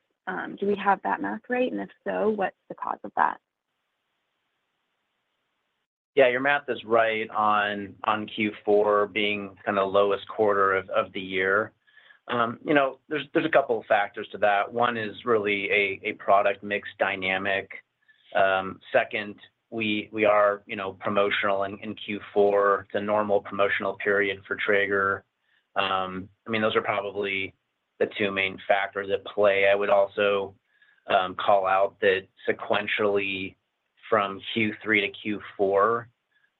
Do we have that math right? And if so, what's the cause of that? Yeah. Your math is right on Q4 being kind of the lowest quarter of the year. There's a couple of factors to that. One is really a product mix dynamic. Second, we are promotional in Q4. It's a normal promotional period for Traeger. I mean, those are probably the two main factors at play. I would also call out that sequentially from Q3 to Q4,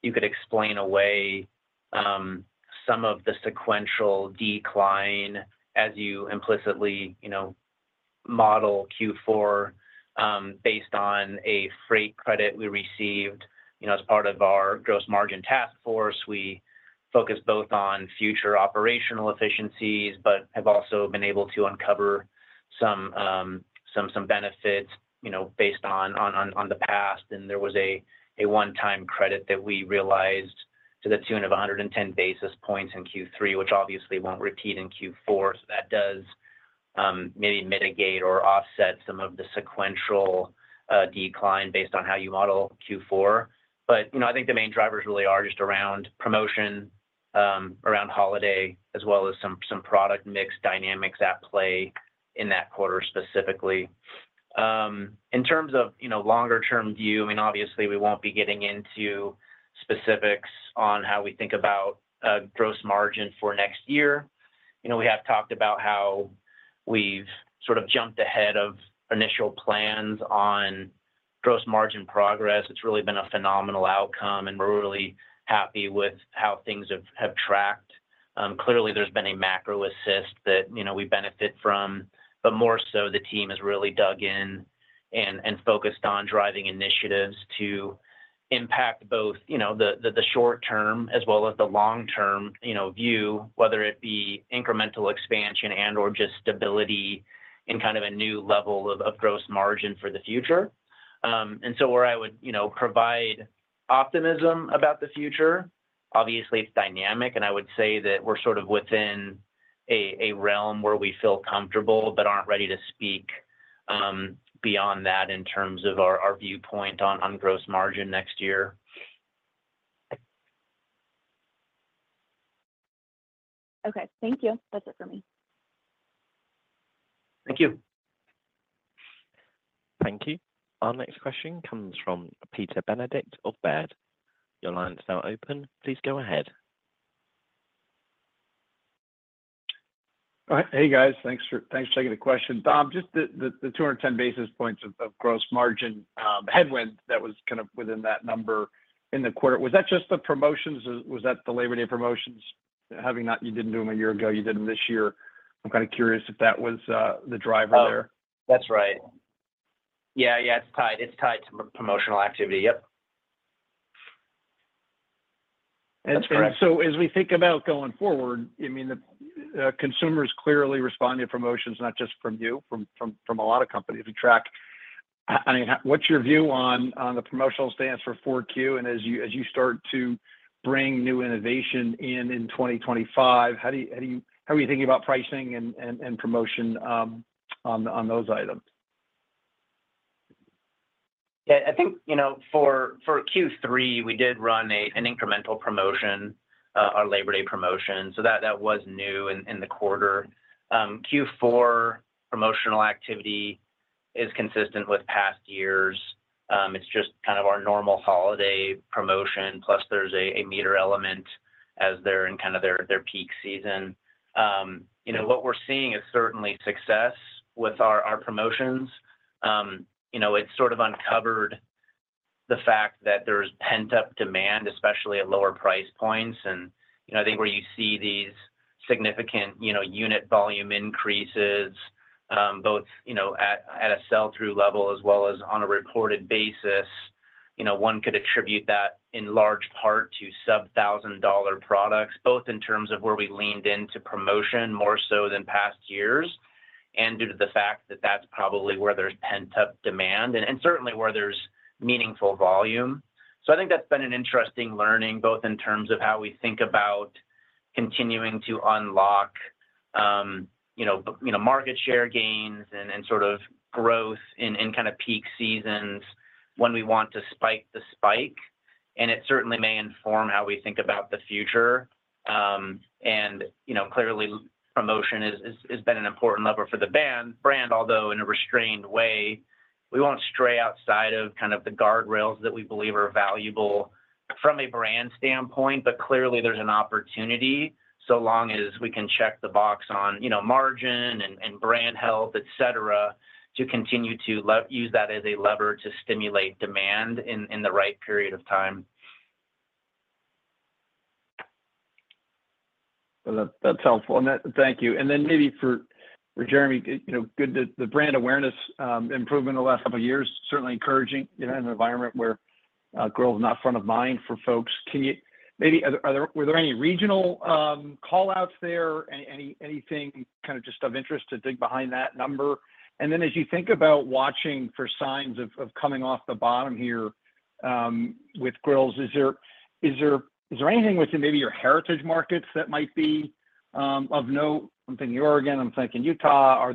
you could explain away some of the sequential decline as you implicitly model Q4 based on a freight credit we received as part of our gross margin task force. We focus both on future operational efficiencies but have also been able to uncover some benefits based on the past, and there was a one-time credit that we realized to the tune of 110 basis points in Q3, which obviously won't repeat in Q4. So that does maybe mitigate or offset some of the sequential decline based on how you model Q4. But I think the main drivers really are just around promotion, around holiday, as well as some product mix dynamics at play in that quarter specifically. In terms of longer-term view, I mean, obviously, we won't be getting into specifics on how we think about gross margin for next year. We have talked about how we've sort of jumped ahead of initial plans on gross margin progress. It's really been a phenomenal outcome, and we're really happy with how things have tracked. Clearly, there's been a macro assist that we benefit from. But more so, the team has really dug in and focused on driving initiatives to impact both the short-term as well as the long-term view, whether it be incremental expansion and/or just stability in kind of a new level of gross margin for the future. And so where I would provide optimism about the future, obviously, it's dynamic. And I would say that we're sort of within a realm where we feel comfortable but aren't ready to speak beyond that in terms of our viewpoint on gross margin next year. Okay. Thank you. That's it for me. Thank you. Thank you. Our next question comes from Peter Benedict of Baird. Your line is now open. Please go ahead. All right. Hey, guys. Thanks for taking the question. Just the 210 basis points of gross margin headwind that was kind of within that number in the quarter. Was that just the promotions? Was that the Labor Day promotions? Having not, you didn't do them a year ago. You did them this year. I'm kind of curious if that was the driver there. That's right. Yeah. Yeah. It's tied to promotional activity. Yep. That's correct, and so as we think about going forward, I mean, consumers clearly respond to promotions, not just from you, from a lot of companies. We track, I mean, what's your view on the promotional stance for Q4? And as you start to bring new innovation in 2025, how are you thinking about pricing and promotion on those items? Yeah. I think for Q3, we did run an incremental promotion, our Labor Day promotion. So that was new in the quarter. Q4 promotional activity is consistent with past years. It's just kind of our normal holiday promotion, plus there's a MEATER element as they're in kind of their peak season. What we're seeing is certainly success with our promotions. It's sort of uncovered the fact that there's pent-up demand, especially at lower price points. And I think where you see these significant unit volume increases, both at a sell-through level as well as on a reported basis, one could attribute that in large part to sub-$1,000 products, both in terms of where we leaned into promotion more so than past years and due to the fact that that's probably where there's pent-up demand and certainly where there's meaningful volume. So I think that's been an interesting learning, both in terms of how we think about continuing to unlock market share gains and sort of growth in kind of peak seasons when we want to spike the spike. And it certainly may inform how we think about the future. And clearly, promotion has been an important lever for the brand, although in a restrained way. We won't stray outside of kind of the guardrails that we believe are valuable from a brand standpoint. But clearly, there's an opportunity so long as we can check the box on margin and brand health, etc., to continue to use that as a lever to stimulate demand in the right period of time. That's helpful. And thank you. And then maybe for Jeremy, the brand awareness improvement in the last couple of years is certainly encouraging in an environment where grill is not front of mind for folks. Maybe were there any regional callouts there? Anything kind of just of interest to dig behind that number? And then as you think about watching for signs of coming off the bottom here with grills, is there anything within maybe your heritage markets that might be of note? I'm thinking Oregon. I'm thinking Utah.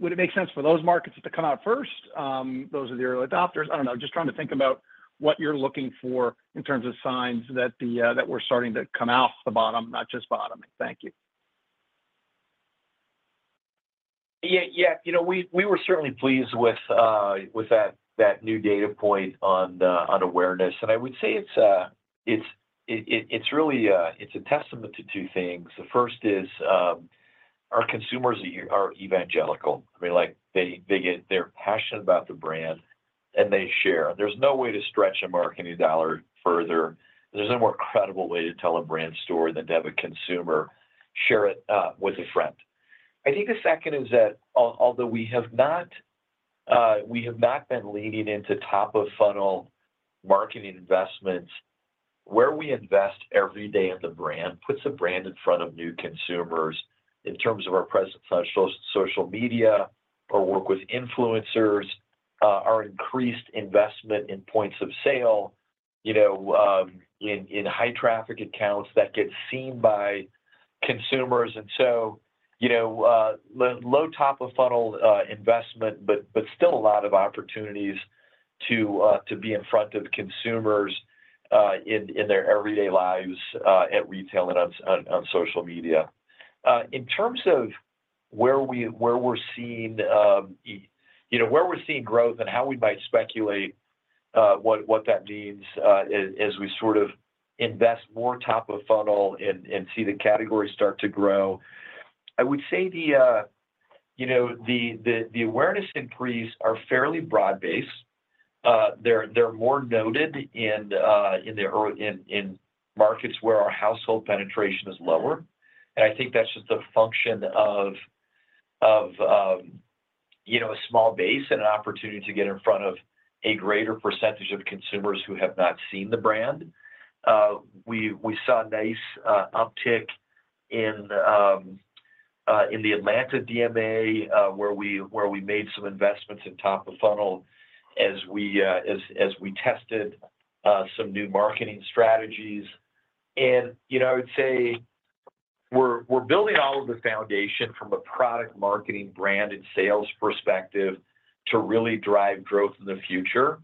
Would it make sense for those markets to come out first? Those are the early adopters. I don't know. Just trying to think about what you're looking for in terms of signs that we're starting to come off the bottom, not just bottoming. Thank you. Yeah. We were certainly pleased with that new data point on awareness, and I would say it's really a testament to two things. The first is our consumers are evangelical. I mean, they're passionate about the brand, and they share. There's no way to stretch a marketing dollar further. There's no more credible way to tell a brand story than to have a consumer share it with a friend. I think the second is that although we have not been leaning into top-of-funnel marketing investments, where we invest every day in the brand puts the brand in front of new consumers in terms of our presence on social media or work with influencers. Our increased investment in points of sale in high-traffic accounts that gets seen by consumers. And so low top-of-funnel investment, but still a lot of opportunities to be in front of consumers in their everyday lives at retail and on social media. In terms of where we're seeing growth and how we might speculate what that means as we sort of invest more top-of-funnel and see the category start to grow, I would say the awareness increase are fairly broad-based. They're more noted in markets where our household penetration is lower. And I think that's just the function of a small base and an opportunity to get in front of a greater percentage of consumers who have not seen the brand. We saw a nice uptick in the Atlanta DMA where we made some investments in top-of-funnel as we tested some new marketing strategies. I would say we're building all of the foundation from a product marketing brand and sales perspective to really drive growth in the future.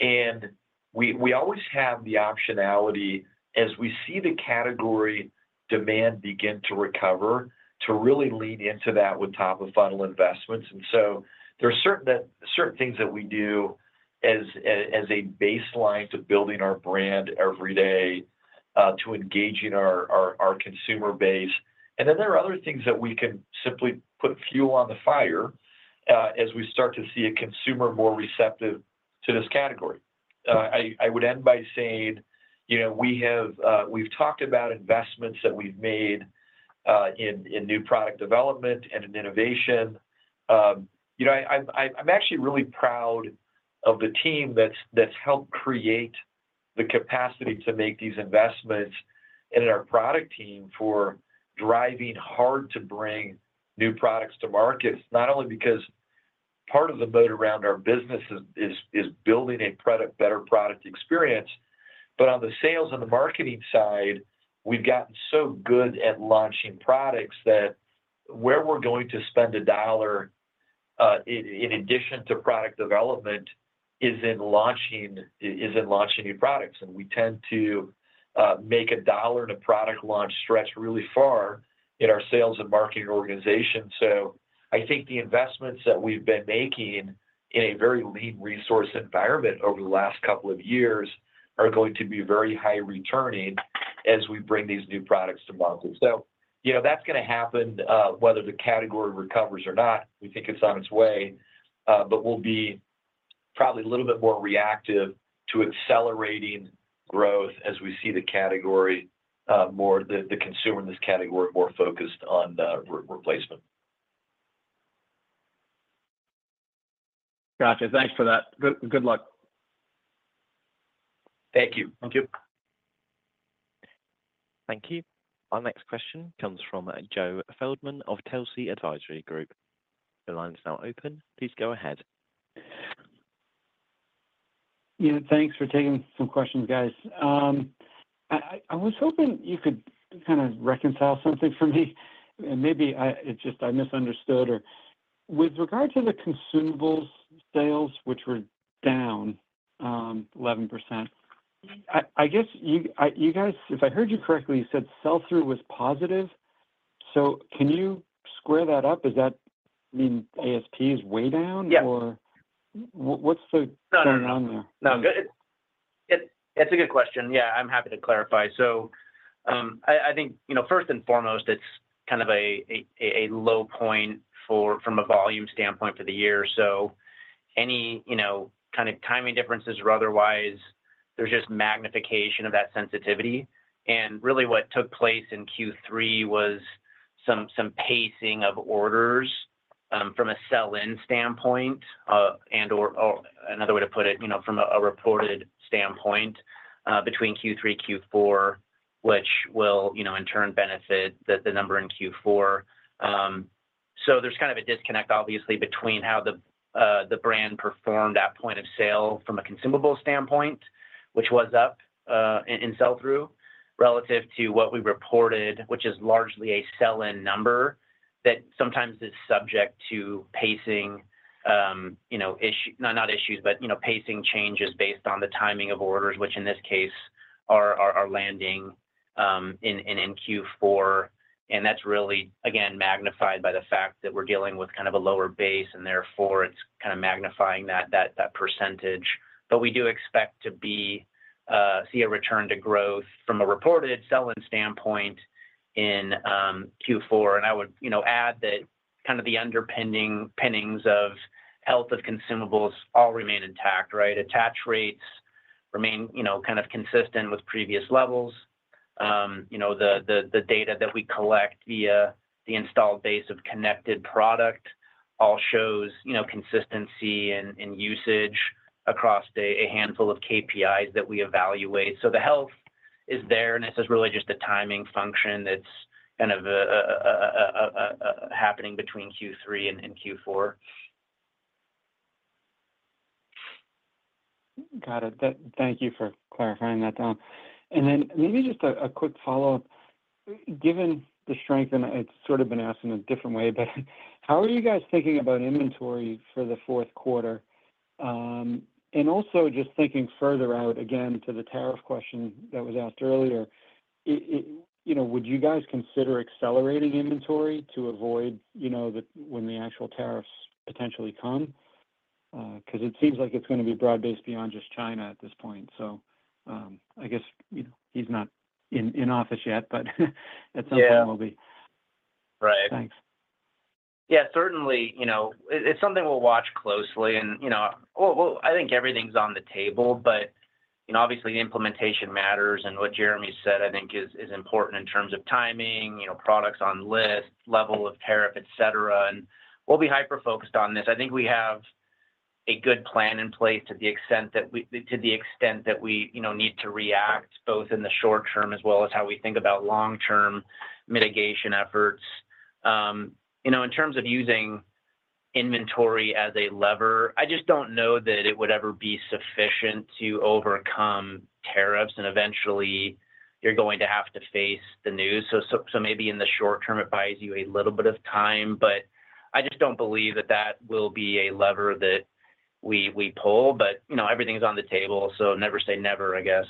We always have the optionality, as we see the category demand begin to recover, to really lean into that with top-of-funnel investments. There are certain things that we do as a baseline to building our brand every day to engage in our consumer base. Then there are other things that we can simply put fuel on the fire as we start to see a consumer more receptive to this category. I would end by saying we've talked about investments that we've made in new product development and in innovation. I'm actually really proud of the team that's helped create the capacity to make these investments in our product team for driving hard to bring new products to markets, not only because part of the moat around our business is building a better product experience, but on the sales and the marketing side, we've gotten so good at launching products that where we're going to spend a dollar in addition to product development is in launching new products. And we tend to make a dollar in a product launch stretch really far in our sales and marketing organization. So I think the investments that we've been making in a very lean resource environment over the last couple of years are going to be very high-returning as we bring these new products to market. So that's going to happen whether the category recovers or not. We think it's on its way, but we'll be probably a little bit more reactive to accelerating growth as we see the category more the consumer in this category more focused on replacement. Gotcha. Thanks for that. Good luck. Thank you. Thank you. Thank you. Our next question comes from Joe Feldman of Telsey Advisory Group. The line is now open. Please go ahead. Thanks for taking some questions, guys. I was hoping you could kind of reconcile something for me, and maybe it's just I misunderstood. With regard to the consumables sales, which were down 11%, I guess you guys, if I heard you correctly, you said sell-through was positive. So can you square that up? I mean, ASP is way down, or what's going on there? No. That's a good question. Yeah. I'm happy to clarify. So I think first and foremost, it's kind of a low point from a volume standpoint for the year. So any kind of timing differences or otherwise, there's just magnification of that sensitivity, and really what took place in Q3 was some pacing of orders from a sell-in standpoint and/or another way to put it, from a reported standpoint between Q3, Q4, which will in turn benefit the number in Q4. So there's kind of a disconnect, obviously, between how the brand performed at point of sale from a consumable standpoint, which was up in sell-through, relative to what we reported, which is largely a sell-in number that sometimes is subject to pacing issues, but pacing changes based on the timing of orders, which in this case are landing in Q4. And that's really, again, magnified by the fact that we're dealing with kind of a lower base, and therefore, it's kind of magnifying that percentage. But we do expect to see a return to growth from a reported sell-in standpoint in Q4. And I would add that kind of the underpinnings of health of consumables all remain intact, right? Attach rates remain kind of consistent with previous levels. The data that we collect via the installed base of connected product all shows consistency in usage across a handful of KPIs that we evaluate. So the health is there, and this is really just a timing function that's kind of happening between Q3 and Q4. Got it. Thank you for clarifying that. And then maybe just a quick follow-up. Given the strength, and it's sort of been asked in a different way, but how are you guys thinking about inventory for the fourth quarter? And also just thinking further out, again, to the tariff question that was asked earlier, would you guys consider accelerating inventory to avoid when the actual tariffs potentially come? Because it seems like it's going to be broad-based beyond just China at this point. So I guess he's not in office yet, but at some point, we'll be. Yeah. Right. Thanks. Yeah. Certainly, it's something we'll watch closely. And I think everything's on the table, but obviously, the implementation matters. And what Jeremy said, I think, is important in terms of timing, products on list, level of tariff, etc. And we'll be hyper-focused on this. I think we have a good plan in place to the extent that we need to react both in the short term as well as how we think about long-term mitigation efforts. In terms of using inventory as a lever, I just don't know that it would ever be sufficient to overcome tariffs. And eventually, you're going to have to face the news. So maybe in the short term, it buys you a little bit of time. But I just don't believe that that will be a lever that we pull. But everything's on the table, so never say never, I guess.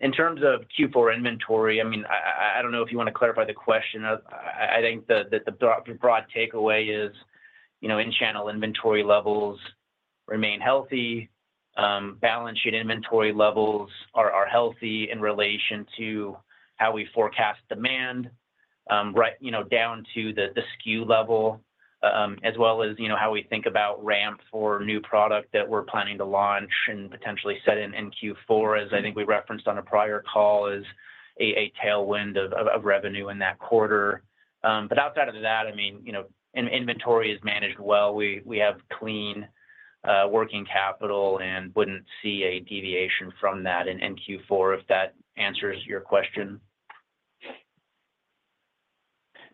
In terms of Q4 inventory, I mean, I don't know if you want to clarify the question. I think that the broad takeaway is in-channel inventory levels remain healthy. Balance sheet inventory levels are healthy in relation to how we forecast demand down to the SKU level as well as how we think about ramp for new product that we're planning to launch and potentially sell-in in Q4, as I think we referenced on a prior call, is a tailwind of revenue in that quarter. But outside of that, I mean, inventory is managed well. We have clean working capital and wouldn't see a deviation from that in Q4 if that answers your question.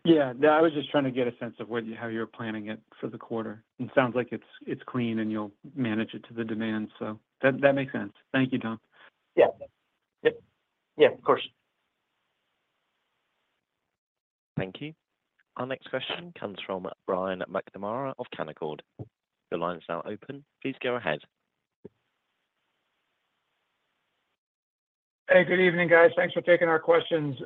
Yeah. No, I was just trying to get a sense of how you're planning it for the quarter. It sounds like it's clean, and you'll manage it to the demand. So that makes sense. Thank you, Dom. Yeah. Yeah. Yeah. Of course. Thank you. Our next question comes from Brian McNamara of Canaccord. The line is now open. Please go ahead. Hey, good evening, guys. Thanks for taking our questions.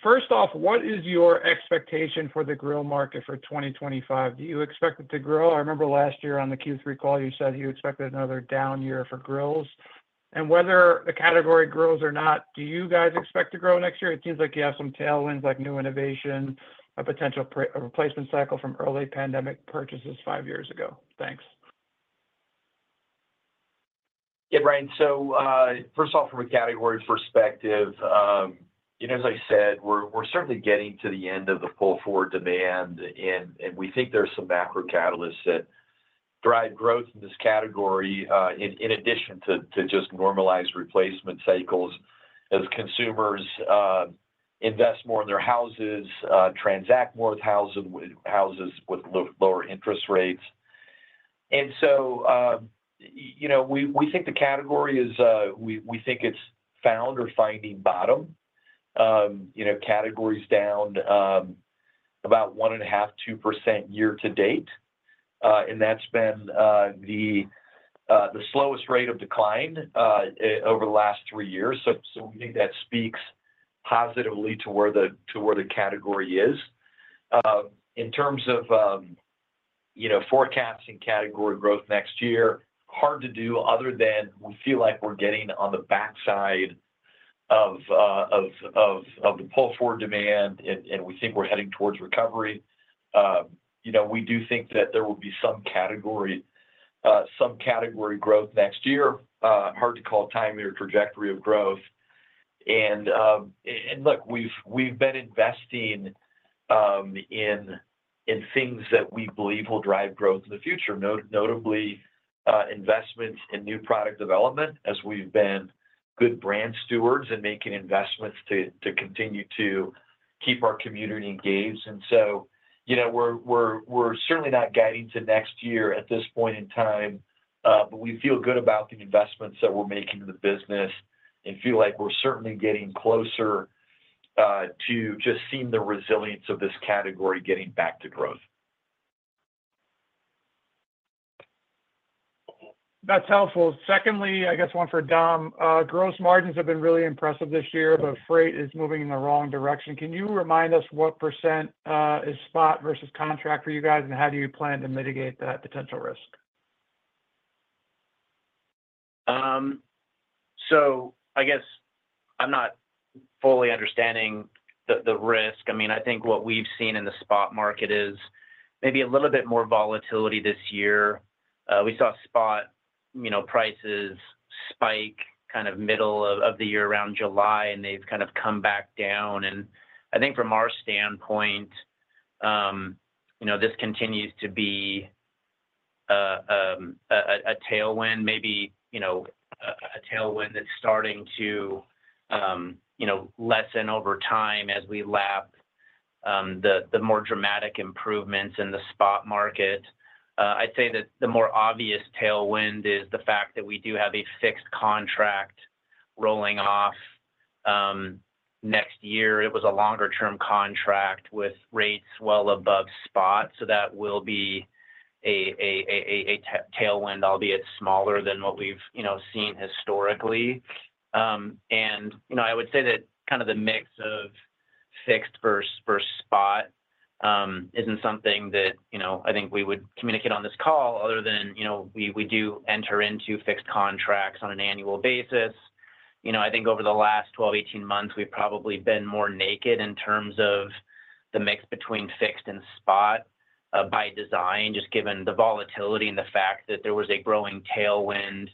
First off, what is your expectation for the grill market for 2025? Do you expect it to grow? I remember last year on the Q3 call, you said you expected another down year for grills. And whether the category grows or not, do you guys expect to grow next year? It seems like you have some tailwinds like new innovation, a potential replacement cycle from early pandemic purchases five years ago. Thanks. Yeah, Brian. So first off, from a category perspective, as I said, we're certainly getting to the end of the pull forward demand. And we think there are some macro catalysts that drive growth in this category in addition to just normalized replacement cycles as consumers invest more in their houses, transact more with houses with lower interest rates. And so we think the category is we think it's found or finding bottom categories down about 1.5%-2% year to date. And that's been the slowest rate of decline over the last three years. So we think that speaks positively to where the category is. In terms of forecasting category growth next year, hard to do other than we feel like we're getting on the backside of the pull forward demand, and we think we're heading towards recovery. We do think that there will be some category growth next year. Hard to call a timing or trajectory of growth. And look, we've been investing in things that we believe will drive growth in the future, notably investments in new product development as we've been good brand stewards and making investments to continue to keep our community engaged. And so we're certainly not guiding to next year at this point in time, but we feel good about the investments that we're making in the business and feel like we're certainly getting closer to just seeing the resilience of this category getting back to growth. That's helpful. Secondly, I guess one for Dom, gross margins have been really impressive this year, but freight is moving in the wrong direction. Can you remind us what % is spot versus contract for you guys, and how do you plan to mitigate that potential risk? So I guess I'm not fully understanding the risk. I mean, I think what we've seen in the spot market is maybe a little bit more volatility this year. We saw spot prices spike kind of middle of the year around July, and they've kind of come back down. And I think from our standpoint, this continues to be a tailwind, maybe a tailwind that's starting to lessen over time as we lap the more dramatic improvements in the spot market. I'd say that the more obvious tailwind is the fact that we do have a fixed contract rolling off next year. It was a longer-term contract with rates well above spot. So that will be a tailwind, albeit smaller than what we've seen historically. I would say that kind of the mix of fixed versus spot isn't something that I think we would communicate on this call other than we do enter into fixed contracts on an annual basis. I think over the last 12-18 months, we've probably been more naked in terms of the mix between fixed and spot by design, just given the volatility and the fact that there was a growing tailwind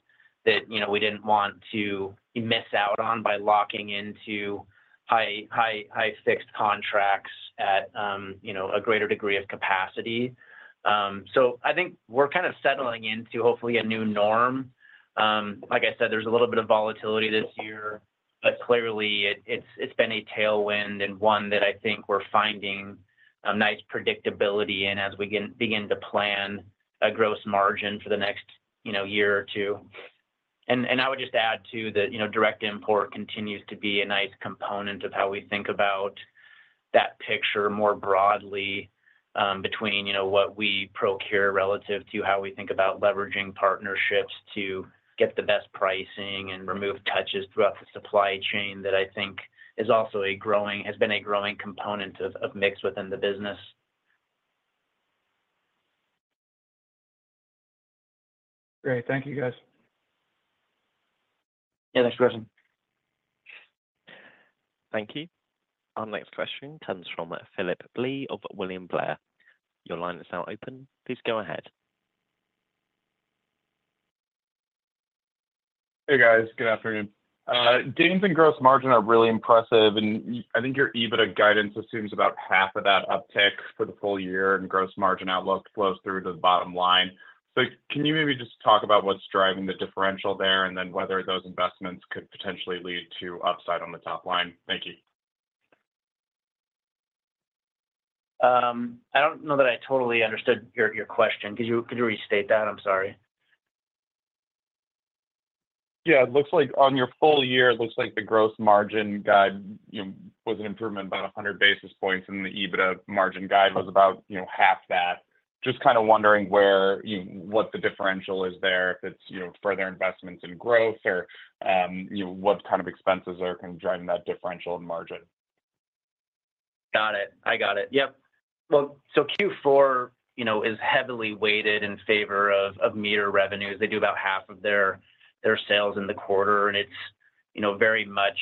that we didn't want to miss out on by locking into high-fixed contracts at a greater degree of capacity. So I think we're kind of settling into, hopefully, a new norm. Like I said, there's a little bit of volatility this year, but clearly, it's been a tailwind and one that I think we're finding nice predictability in as we begin to plan a gross margin for the next year or two. I would just add, too, that direct import continues to be a nice component of how we think about that picture more broadly between what we procure relative to how we think about leveraging partnerships to get the best pricing and remove touches throughout the supply chain that I think has been a growing component of mix within the business. Great. Thank you, guys. Yeah. Thanks for asking. Thank you. Our next question comes from Phillip Blee of William Blair. Your line is now open. Please go ahead. Hey, guys. Good afternoon. Gains and gross margin are really impressive. And I think your EBITDA guidance assumes about half of that uptick for the full year, and gross margin outlook flows through to the bottom line. So can you maybe just talk about what's driving the differential there and then whether those investments could potentially lead to upside on the top line? Thank you. I don't know that I totally understood your question. Could you restate that? I'm sorry. Yeah. It looks like on your full year, it looks like the gross margin guide was an improvement about 100 basis points, and the EBITDA margin guide was about half that. Just kind of wondering what the differential is there, if it's further investments in growth or what kind of expenses are kind of driving that differential in margin? Got it. I got it. Yep. Well, so Q4 is heavily weighted in favor of MEATER revenues. They do about half of their sales in the quarter, and it's very much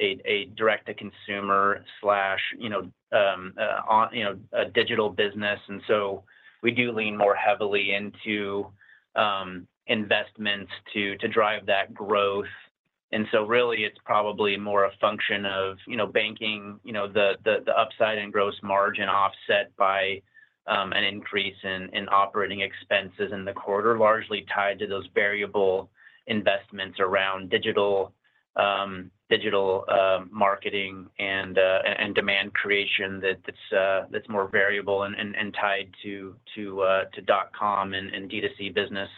a direct-to-consumer/digital business. And so we do lean more heavily into investments to drive that growth. And so really, it's probably more a function of banking the upside in gross margin offset by an increase in operating expenses in the quarter, largely tied to those variable investments around digital marketing and demand creation that's more variable and tied to dot-com and D2C business,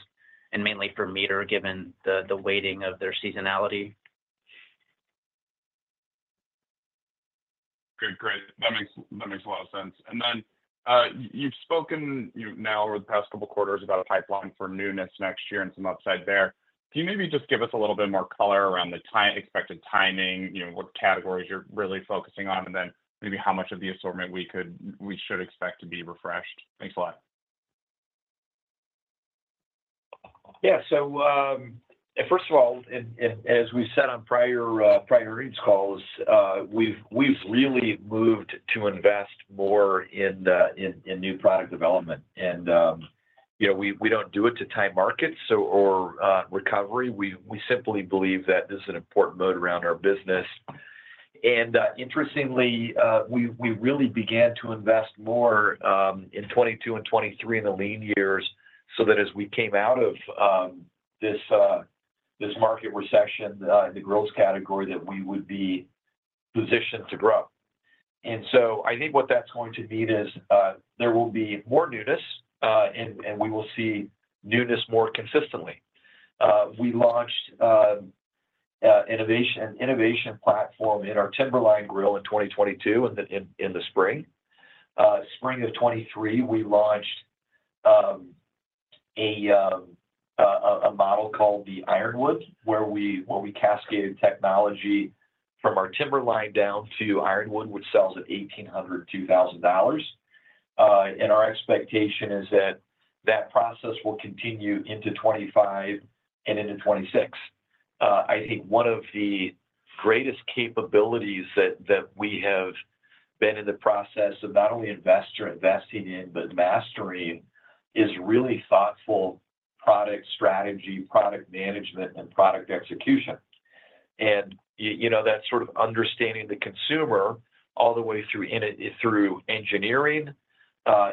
and mainly for MEATER given the weighting of their seasonality. Great. Great. That makes a lot of sense. And then you've spoken now over the past couple of quarters about a pipeline for newness next year and some upside there. Can you maybe just give us a little bit more color around the expected timing, what categories you're really focusing on, and then maybe how much of the assortment we should expect to be refreshed? Thanks a lot. Yeah. So first of all, as we've said on prior earnings calls, we've really moved to invest more in new product development. And we don't do it to time markets or recovery. We simply believe that this is an important moat around our business. And interestingly, we really began to invest more in 2022 and 2023 in the lean years so that as we came out of this market recession in the grill category that we would be positioned to grow. And so I think what that's going to mean is there will be more newness, and we will see newness more consistently. We launched an innovation platform in our Timberline grill in 2022 in the spring. Spring of 2023, we launched a model called the Ironwood where we cascaded technology from our Timberline down to Ironwood, which sells at $1,800-$2,000. Our expectation is that that process will continue into 2025 and into 2026. I think one of the greatest capabilities that we have been in the process of not only investing in, but mastering is really thoughtful product strategy, product management, and product execution. That's sort of understanding the consumer all the way through engineering,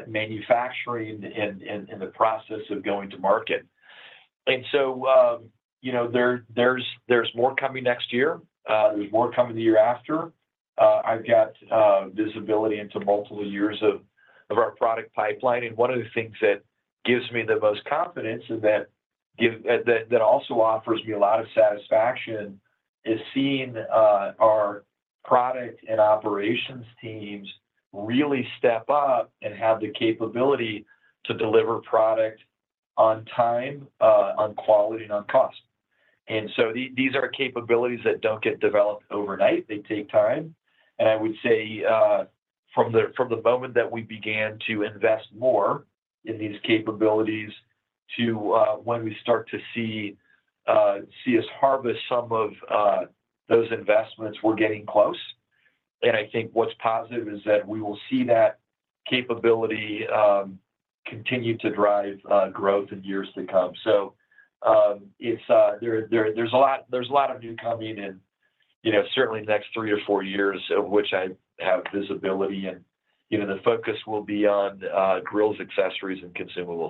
manufacturing, and the process of going to market. There's more coming next year. There's more coming the year after. I've got visibility into multiple years of our product pipeline. One of the things that gives me the most confidence and that also offers me a lot of satisfaction is seeing our product and operations teams really step up and have the capability to deliver product on time, on quality, and on cost. These are capabilities that don't get developed overnight. They take time. And I would say from the moment that we began to invest more in these capabilities to when we start to see us harvest some of those investments, we're getting close. And I think what's positive is that we will see that capability continue to drive growth in years to come. So there's a lot of new coming in, certainly the next three to four years of which I have visibility. And the focus will be on grills, accessories, and consumables.